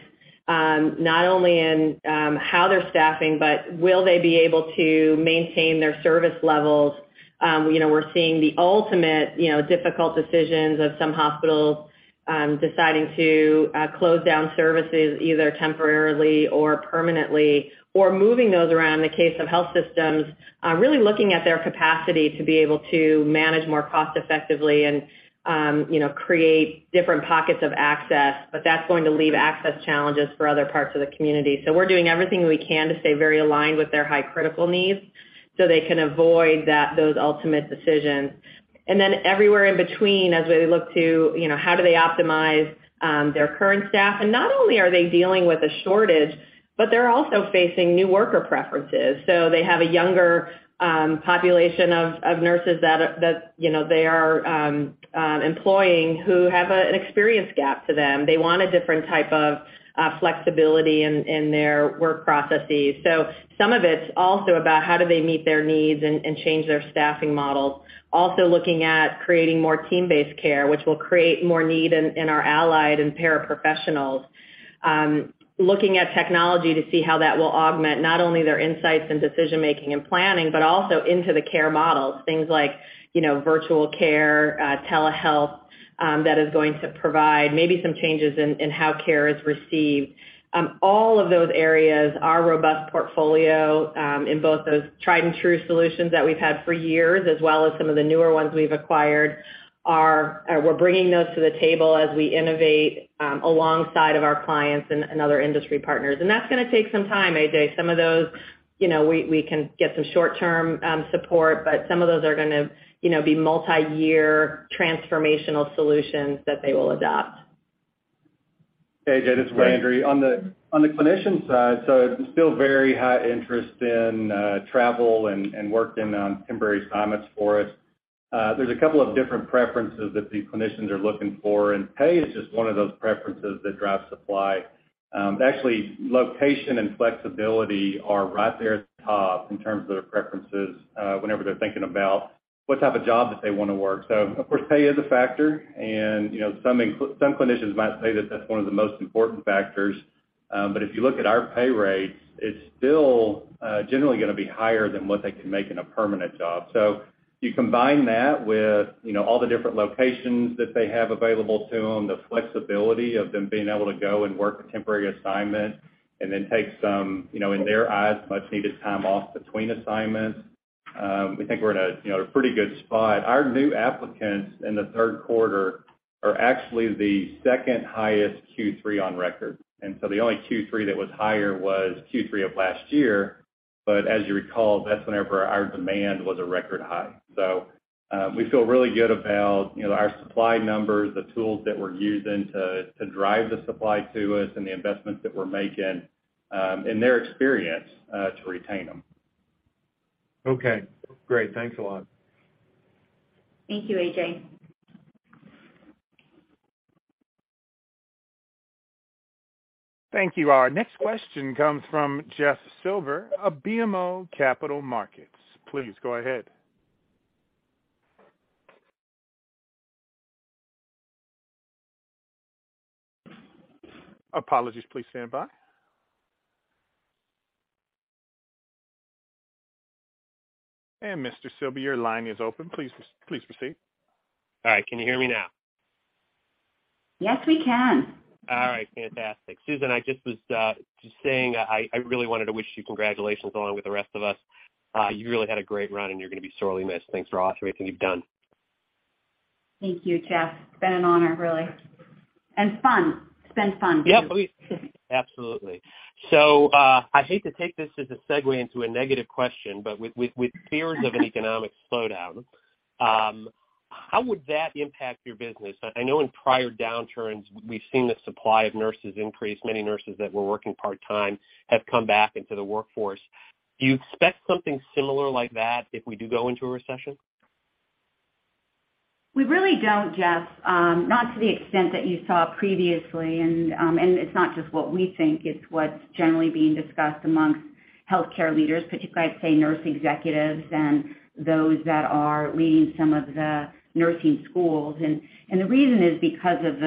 not only in how they're staffing, but will they be able to maintain their service levels. You know, we're seeing the ultimate, you know, difficult decisions of some hospitals, deciding to close down services either temporarily or permanently, or moving those around in the case of health systems, really looking at their capacity to be able to manage more cost effectively and, you know, create different pockets of access, but that's going to leave access challenges for other parts of the community. We're doing everything we can to stay very aligned with their high critical needs so they can avoid those ultimate decisions. Everywhere in between, as we look to, you know, how do they optimize their current staff? Not only are they dealing with a shortage, but they're also facing new worker preferences. They have a younger population of nurses that are that you know they are employing who have an experience gap to them. They want a different type of flexibility in their work processes. Some of it's also about how do they meet their needs and change their staffing models. Also looking at creating more team-based care, which will create more need in our allied and paraprofessionals. Looking at technology to see how that will augment not only their insights and decision-making and planning, but also into the care models. Things like, you know, virtual care, telehealth, that is going to provide maybe some changes in how care is received. All of those areas, our robust portfolio in both those tried and true solutions that we've had for years, as well as some of the newer ones we've acquired. We're bringing those to the table as we innovate alongside of our clients and other industry partners. That's gonna take some time, AJ. Some of those, you know, we can get some short-term support, but some of those are gonna, you know, be multiyear transformational solutions that they will adopt. A.J., this is Landry. On the clinician side, still very high interest in travel and work on temporary assignments for us. There's a couple of different preferences that the clinicians are looking for, and pay is just one of those preferences that drive supply. Actually, location and flexibility are right there at the top in terms of their preferences, whenever they're thinking about what type of job that they wanna work. Of course, pay is a factor, and, you know, some clinicians might say that that's one of the most important factors. If you look at our pay rates, it's still generally gonna be higher than what they can make in a permanent job. You combine that with, you know, all the different locations that they have available to them, the flexibility of them being able to go and work a temporary assignment and then take some, you know, in their eyes, much needed time off between assignments. We think we're in a, you know, a pretty good spot. Our new applicants in the third quarter are actually the second highest Q3 on record. The only Q3 that was higher was Q3 of last year. As you recall, that's whenever our demand was a record high. We feel really good about, you know, our supply numbers, the tools that we're using to drive the supply to us and the investments that we're making, and their experience to retain them. Okay, great. Thanks a lot. Thank you, A.J. Thank you. Our next question comes from Jeff Silber of BMO Capital Markets. Please go ahead. Apologies. Please stand by. Mr. Silber, your line is open. Please proceed. All right. Can you hear me now? Yes, we can. All right. Fantastic. Susan, I just was just saying I really wanted to wish you congratulations along with the rest of us. You really had a great run, and you're gonna be sorely missed. Thanks for all everything you've done. Thank you, Jeff. It's been an honor, really. Fun. It's been fun too. Yep. Absolutely. I hate to take this as a segue into a negative question, but with fears of an economic slowdown, how would that impact your business? I know in prior downturns we've seen the supply of nurses increase. Many nurses that were working part-time have come back into the workforce. Do you expect something similar like that if we do go into a recession? We really don't, Jeff. Not to the extent that you saw previously. It's not just what we think. It's what's generally being discussed among healthcare leaders, particularly I'd say nurse executives and those that are leading some of the nursing schools. The reason is because of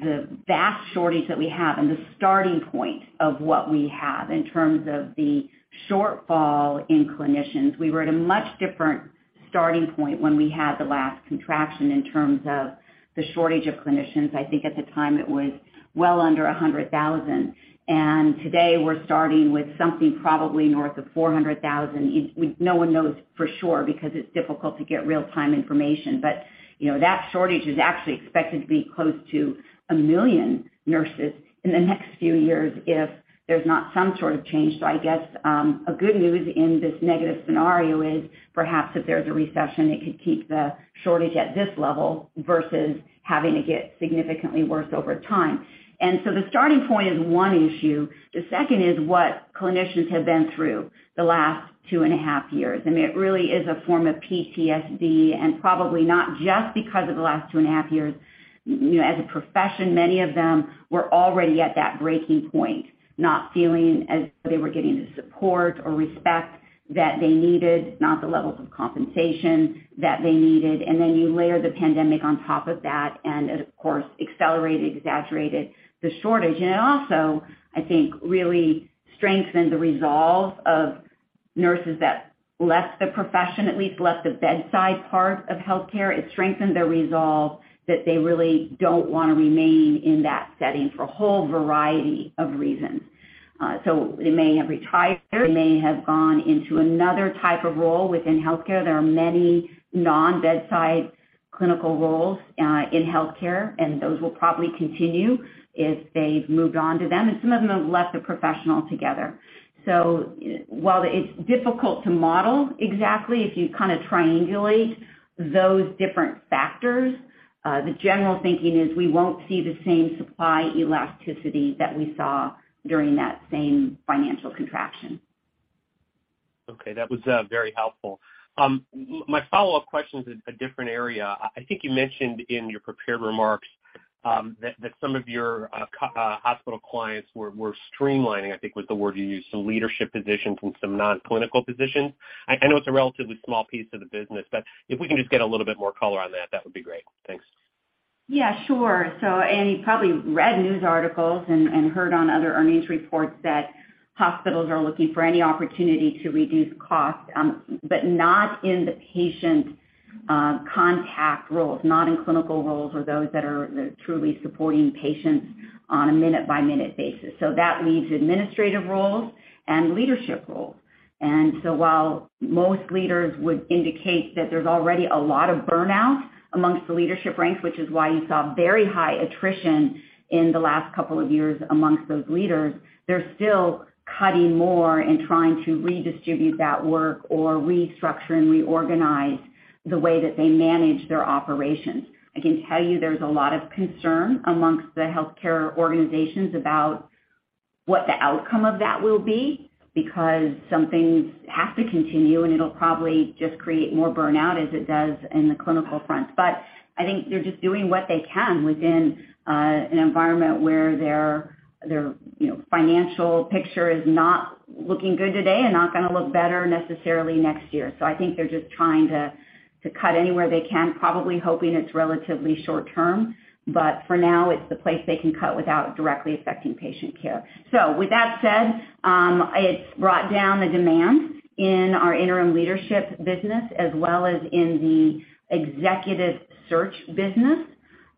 the vast shortage that we have and the starting point of what we have in terms of the shortfall in clinicians. We were at a much different starting point when we had the last contraction in terms of the shortage of clinicians, I think at the time it was well under 100,000. Today we're starting with something probably north of 400,000. No one knows for sure because it's difficult to get real-time information. You know, that shortage is actually expected to be close to 1 million nurses in the next few years if there's not some sort of change. I guess, a good news in this negative scenario is perhaps if there's a recession, it could keep the shortage at this level versus having it get significantly worse over time. The starting point is one issue. The second is what clinicians have been through the last two and a half years. I mean, it really is a form of PTSD, and probably not just because of the last two and a half years. You know, as a profession, many of them were already at that breaking point, not feeling as they were getting the support or respect that they needed, not the levels of compensation that they needed. Then you layer the pandemic on top of that and it, of course, accelerated, exaggerated the shortage. It also, I think, really strengthened the resolve of nurses that left the profession, at least left the bedside part of healthcare. It strengthened their resolve that they really don't wanna remain in that setting for a whole variety of reasons. They may have retired. They may have gone into another type of role within healthcare. There are many non-bedside clinical roles in healthcare, and those will probably continue if they've moved on to them, and some of them have left the profession altogether. While it's difficult to model exactly, if you kinda triangulate those different factors, the general thinking is we won't see the same supply elasticity that we saw during that same financial contraction. Okay. That was very helpful. My follow-up question is a different area. I think you mentioned in your prepared remarks that some of your hospital clients were streamlining, I think, was the word you used, some leadership positions and some non-clinical positions. I know it's a relatively small piece of the business, but if we can just get a little bit more color on that would be great. Thanks. Yeah, sure. You probably read news articles and heard on other earnings reports that hospitals are looking for any opportunity to reduce costs, but not in the patient contact roles, not in clinical roles or those that are truly supporting patients on a minute-by-minute basis. That leaves administrative roles and leadership roles. While most leaders would indicate that there's already a lot of burnout among the leadership ranks, which is why you saw very high attrition in the last couple of years among those leaders, they're still cutting more and trying to redistribute that work or restructure and reorganize the way that they manage their operations. I can tell you there's a lot of concern among the healthcare organizations about what the outcome of that will be because some things have to continue, and it'll probably just create more burnout as it does in the clinical front. I think they're just doing what they can within an environment where their you know financial picture is not looking good today and not gonna look better necessarily next year. I think they're just trying to cut anywhere they can, probably hoping it's relatively short term, but for now, it's the place they can cut without directly affecting patient care. With that said, it's brought down the demand in our interim leadership business as well as in the executive search business.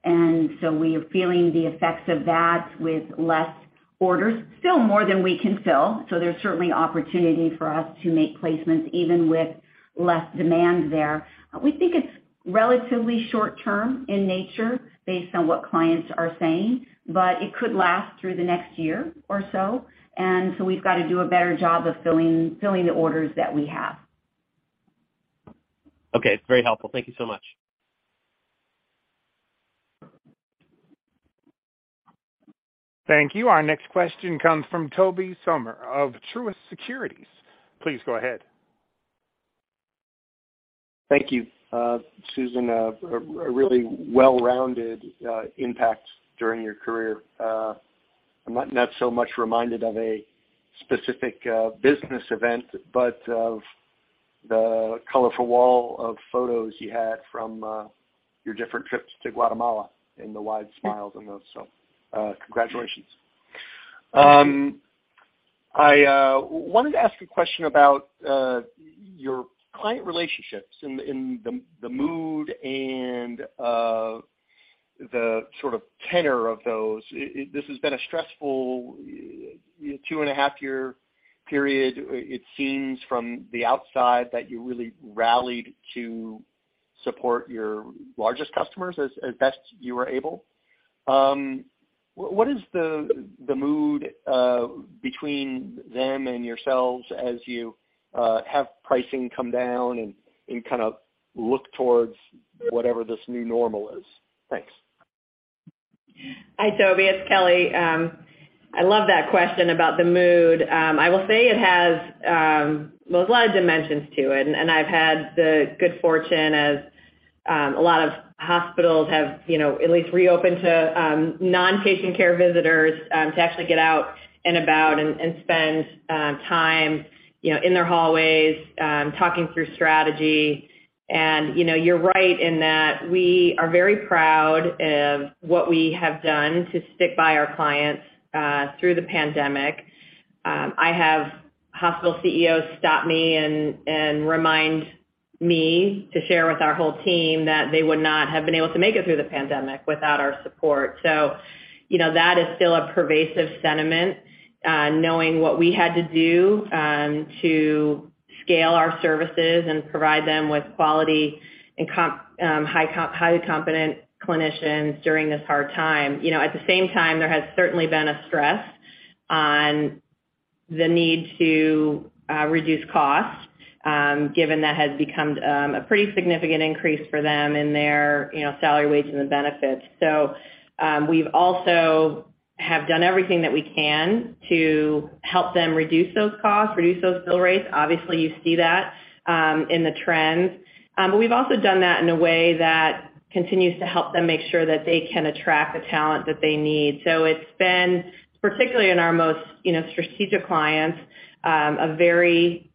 We are feeling the effects of that with less orders. Still more than we can fill, so there's certainly opportunity for us to make placements even with less demand there. We think it's relatively short term in nature based on what clients are saying, but it could last through the next year or so. We've got to do a better job of filling the orders that we have. Okay. It's very helpful. Thank you so much. Thank you. Our next question comes from Tobey Sommer of Truist Securities. Please go ahead. Thank you, Susan, a really well-rounded impact during your career. I'm not so much reminded of a specific business event, but of the colorful wall of photos you had from your different trips to Guatemala and the wide smiles on those. Congratulations. I wanted to ask a question about your client relationships and the mood and the sort of tenor of those. This has been a stressful 2.5-year period. It seems from the outside that you really rallied to support your largest customers as best you were able. What is the mood between them and yourselves as you have pricing come down and kind of look towards whatever this new normal is? Thanks. Hi, Tobey. It's Kelly. I love that question about the mood. I will say it has, well, a lot of dimensions to it, and I've had the good fortune as a lot of hospitals have, you know, at least reopened to non-patient care visitors, to actually get out and about and spend time, you know, in their hallways, talking through strategy. You know, you're right in that we are very proud of what we have done to stick by our clients through the pandemic. I have hospital CEOs stop me and remind me to share with our whole team that they would not have been able to make it through the pandemic without our support. You know, that is still a pervasive sentiment, knowing what we had to do to scale our services and provide them with quality and highly competent clinicians during this hard time. You know, at the same time, there has certainly been a stress on the need to reduce costs, given that has become a pretty significant increase for them in their, you know, salary, wages, and benefits. We've also have done everything that we can to help them reduce those costs, reduce those bill rates. Obviously, you see that in the trends. We've also done that in a way that continues to help them make sure that they can attract the talent that they need. It's been, particularly in our most, you know, strategic clients, a very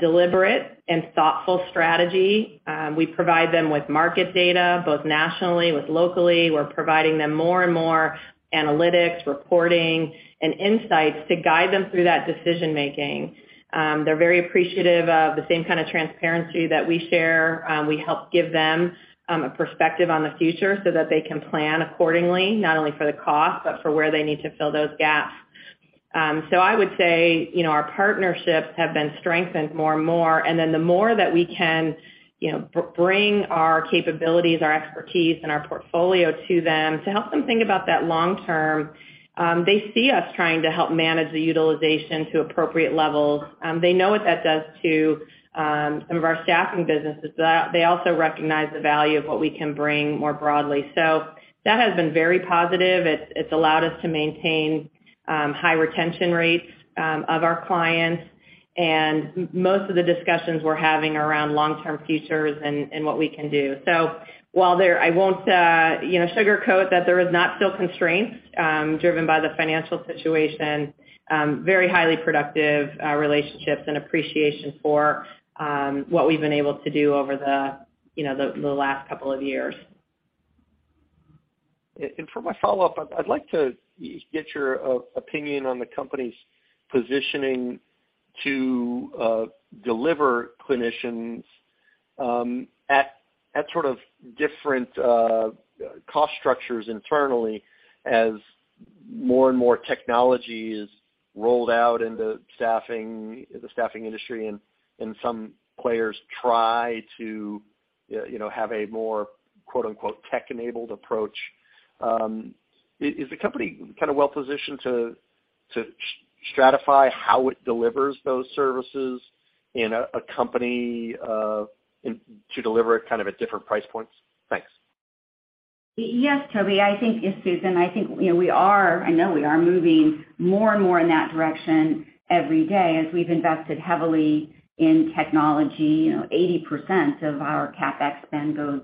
deliberate and thoughtful strategy. We provide them with market data, both nationally and locally. We're providing them more and more analytics, reporting, and insights to guide them through that decision-making. They're very appreciative of the same kind of transparency that we share. We help give them a perspective on the future so that they can plan accordingly, not only for the cost, but for where they need to fill those gaps. I would say, you know, our partnerships have been strengthened more and more. Then the more that we can, you know, bring our capabilities, our expertise, and our portfolio to them to help them think about that long term, they see us trying to help manage the utilization to appropriate levels. They know what that does to some of our staffing businesses. They also recognize the value of what we can bring more broadly. That has been very positive. It's allowed us to maintain high retention rates of our clients, and most of the discussions we're having are around long-term futures and what we can do. I won't, you know, sugarcoat that there is still constraints driven by the financial situation, very highly productive relationships and appreciation for what we've been able to do over the last couple of years. For my follow-up, I'd like to get your opinion on the company's positioning to deliver clinicians at sort of different cost structures internally as more and more technology is rolled out in the staffing industry, and some players try to, you know, have a more, quote-unquote, tech-enabled approach. Is the company kind of well positioned to stratify how it delivers those services to deliver it kind of at different price points? Thanks. Yes, Tobey. I think it's Susan. I think, you know, we are. I know we are moving more and more in that direction every day as we've invested heavily in technology. You know, 80% of our CapEx spend goes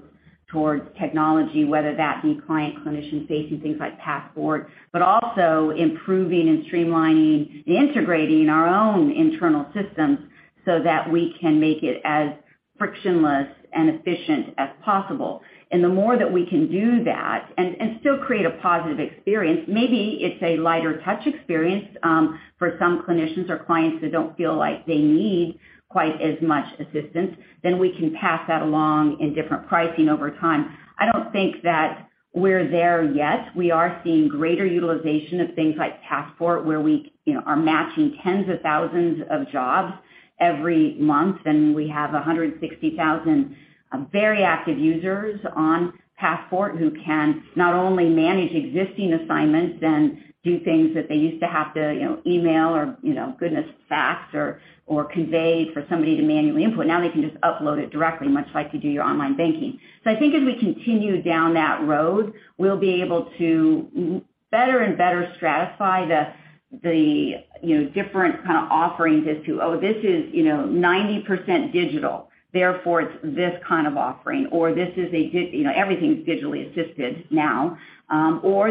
towards technology, whether that be client-clinician facing, things like Passport, but also improving and streamlining and integrating our own internal systems so that we can make it as frictionless and efficient as possible. The more that we can do that and still create a positive experience, maybe it's a lighter touch experience, for some clinicians or clients that don't feel like they need quite as much assistance, then we can pass that along in different pricing over time. I don't think that we're there yet. We are seeing greater utilization of things like Passport, where we, you know, are matching tens of thousands of jobs every month, and we have 160,000 very active users on Passport who can not only manage existing assignments and do things that they used to have to, you know, email or, you know, goodness, fax or convey for somebody to manually input. Now they can just upload it directly, much like you do your online banking. I think as we continue down that road, we'll be able to make better and better stratify the, you know, different kind of offerings as to, oh, this is, you know, 90% digital. Therefore, it's this kind of offering. Or this is a, you know, everything's digitally assisted now.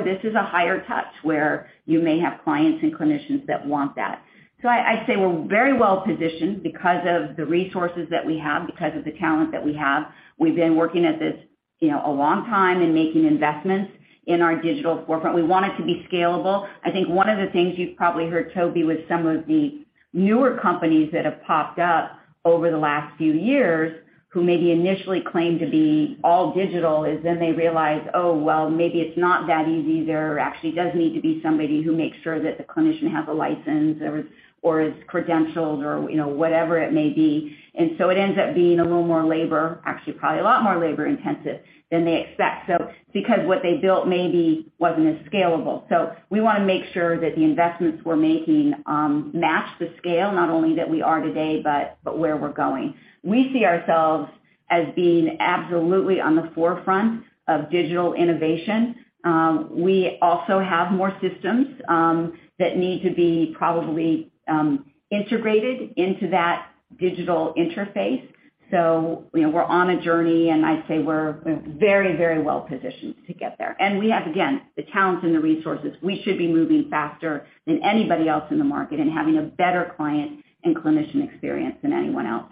This is a higher touch, where you may have clients and clinicians that want that. I'd say we're very well positioned because of the resources that we have, because of the talent that we have. We've been working at this, you know, a long time and making investments in our digital forefront. We want it to be scalable. I think one of the things you've probably heard, Tobey, with some of the newer companies that have popped up over the last few years, who maybe initially claimed to be all digital, is then they realize, oh, well, maybe it's not that easy. There actually does need to be somebody who makes sure that the clinician has a license or is credentialed or, you know, whatever it may be. It ends up being a little more labor, actually, probably a lot more labor-intensive than they expect. Because what they built maybe wasn't as scalable. We wanna make sure that the investments we're making match the scale, not only that we are today, but where we're going. We see ourselves as being absolutely on the forefront of digital innovation. We also have more systems that need to be probably integrated into that digital interface. You know, we're on a journey, and I'd say we're very well positioned to get there. We have, again, the talent and the resources. We should be moving faster than anybody else in the market and having a better client and clinician experience than anyone else.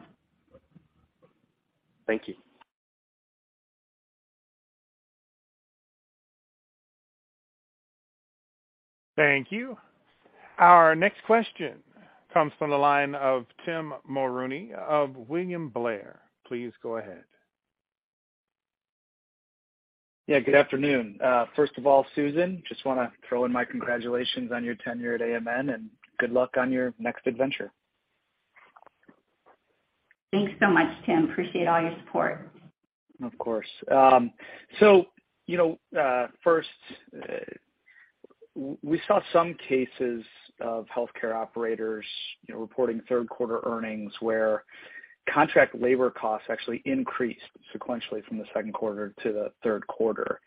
Thank you. Thank you. Our next question comes from the line of Tim Mulrooney of William Blair. Please go ahead. Yeah, good afternoon. First of all, Susan, just wanna throw in my congratulations on your tenure at AMN, and good luck on your next adventure. Thanks so much, Tim. Appreciate all your support. Of course. You know, first, we saw some cases of healthcare operators, you know, reporting third quarter earnings where contract labor costs actually increased sequentially from the second quarter to the third quarter.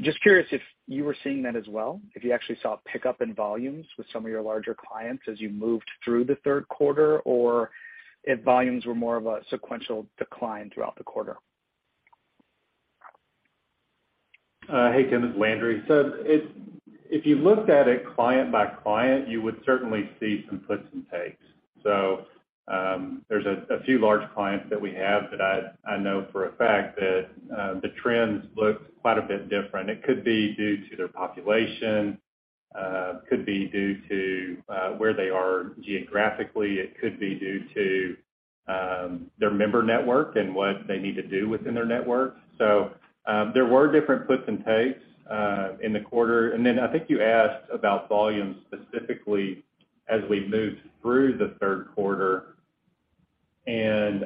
Just curious if you were seeing that as well, if you actually saw a pickup in volumes with some of your larger clients as you moved through the third quarter, or if volumes were more of a sequential decline throughout the quarter. Hey, Tim, it's Landry. If you looked at it client by client, you would certainly see some puts and takes. There's a few large clients that we have that I know for a fact that the trends looked quite a bit different. It could be due to their population, could be due to where they are geographically, it could be due to their member network and what they need to do within their network. There were different puts and takes in the quarter. Then I think you asked about volume specifically as we moved through the third quarter. I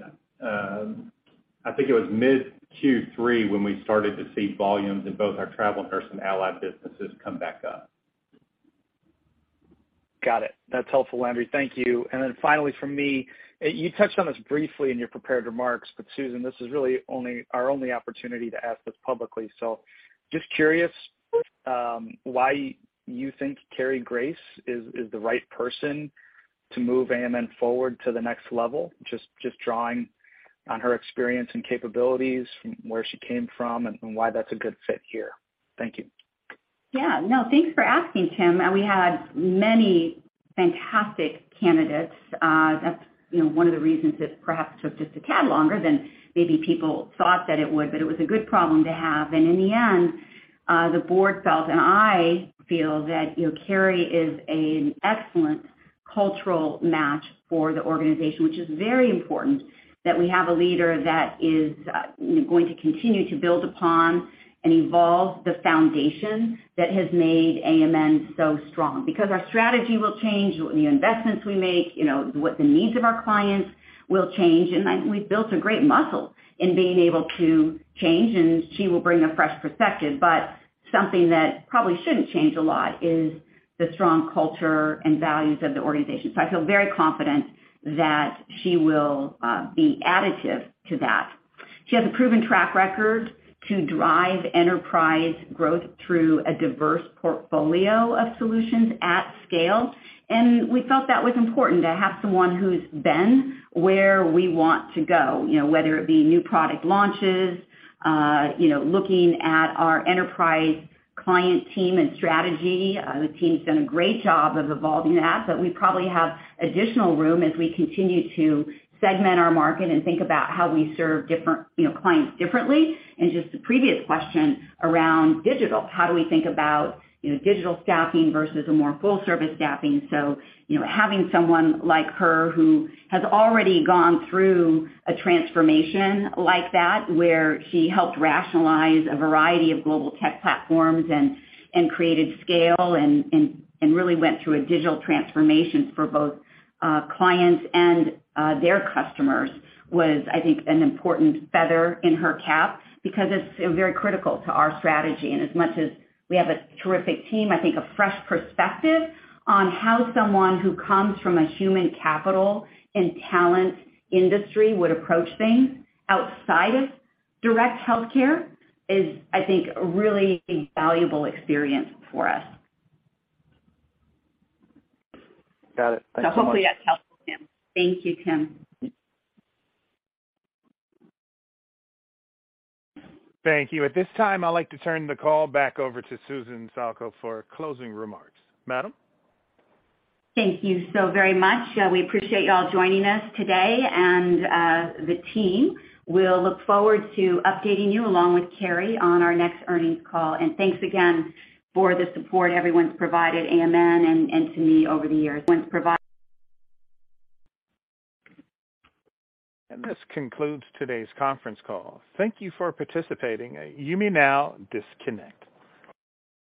think it was mid Q3 when we started to see volumes in both our travel Nurse and Allied businesses come back up. Got it. That's helpful, Landry. Thank you. Then finally from me, you touched on this briefly in your prepared remarks, but Susan, this is really our only opportunity to ask this publicly. Just curious, why you think Cary Grace is the right person to move AMN forward to the next level, just drawing on her experience and capabilities from where she came from and why that's a good fit here. Thank you. Yeah. No, thanks for asking, Tim. We had many fantastic candidates. That's, you know, one of the reasons it perhaps took just a tad longer than maybe people thought that it would, but it was a good problem to have. In the end, the board felt, and I feel that, you know, Cary is an excellent cultural match for the organization, which is very important that we have a leader that is, you know, going to continue to build upon and evolve the foundation that has made AMN so strong. Our strategy will change, the investments we make, you know, what the needs of our clients will change. We've built a great muscle in being able to change, and she will bring a fresh perspective. Something that probably shouldn't change a lot is the strong culture and values of the organization. I feel very confident that she will be additive to that. She has a proven track record to drive enterprise growth through a diverse portfolio of solutions at scale, and we felt that was important to have someone who's been where we want to go. You know, whether it be new product launches, you know, looking at our enterprise client team and strategy. The team's done a great job of evolving that, but we probably have additional room as we continue to segment our market and think about how we serve different, you know, clients differently. Just the previous question around digital, how do we think about, you know, digital staffing versus a more full-service staffing? You know, having someone like her who has already gone through a transformation like that, where she helped rationalize a variety of global tech platforms and created scale and really went through a digital transformation for both clients and their customers was, I think, an important feather in her cap because it's, you know, very critical to our strategy. As much as we have a terrific team, I think a fresh perspective on how someone who comes from a human capital and talent industry would approach things outside of direct healthcare is, I think, a really valuable experience for us. Got it. Thanks so much. Hopefully that's helpful, Tim. Thank you, Tim. Thank you. At this time, I'd like to turn the call back over to Susan Salka for closing remarks. Madam? Thank you so very much. We appreciate you all joining us today and the team. We'll look forward to updating you along with Cary on our next earnings call. Thanks again for the support everyone's provided AMN and to me over the years. This concludes today's conference call. Thank you for participating. You may now disconnect.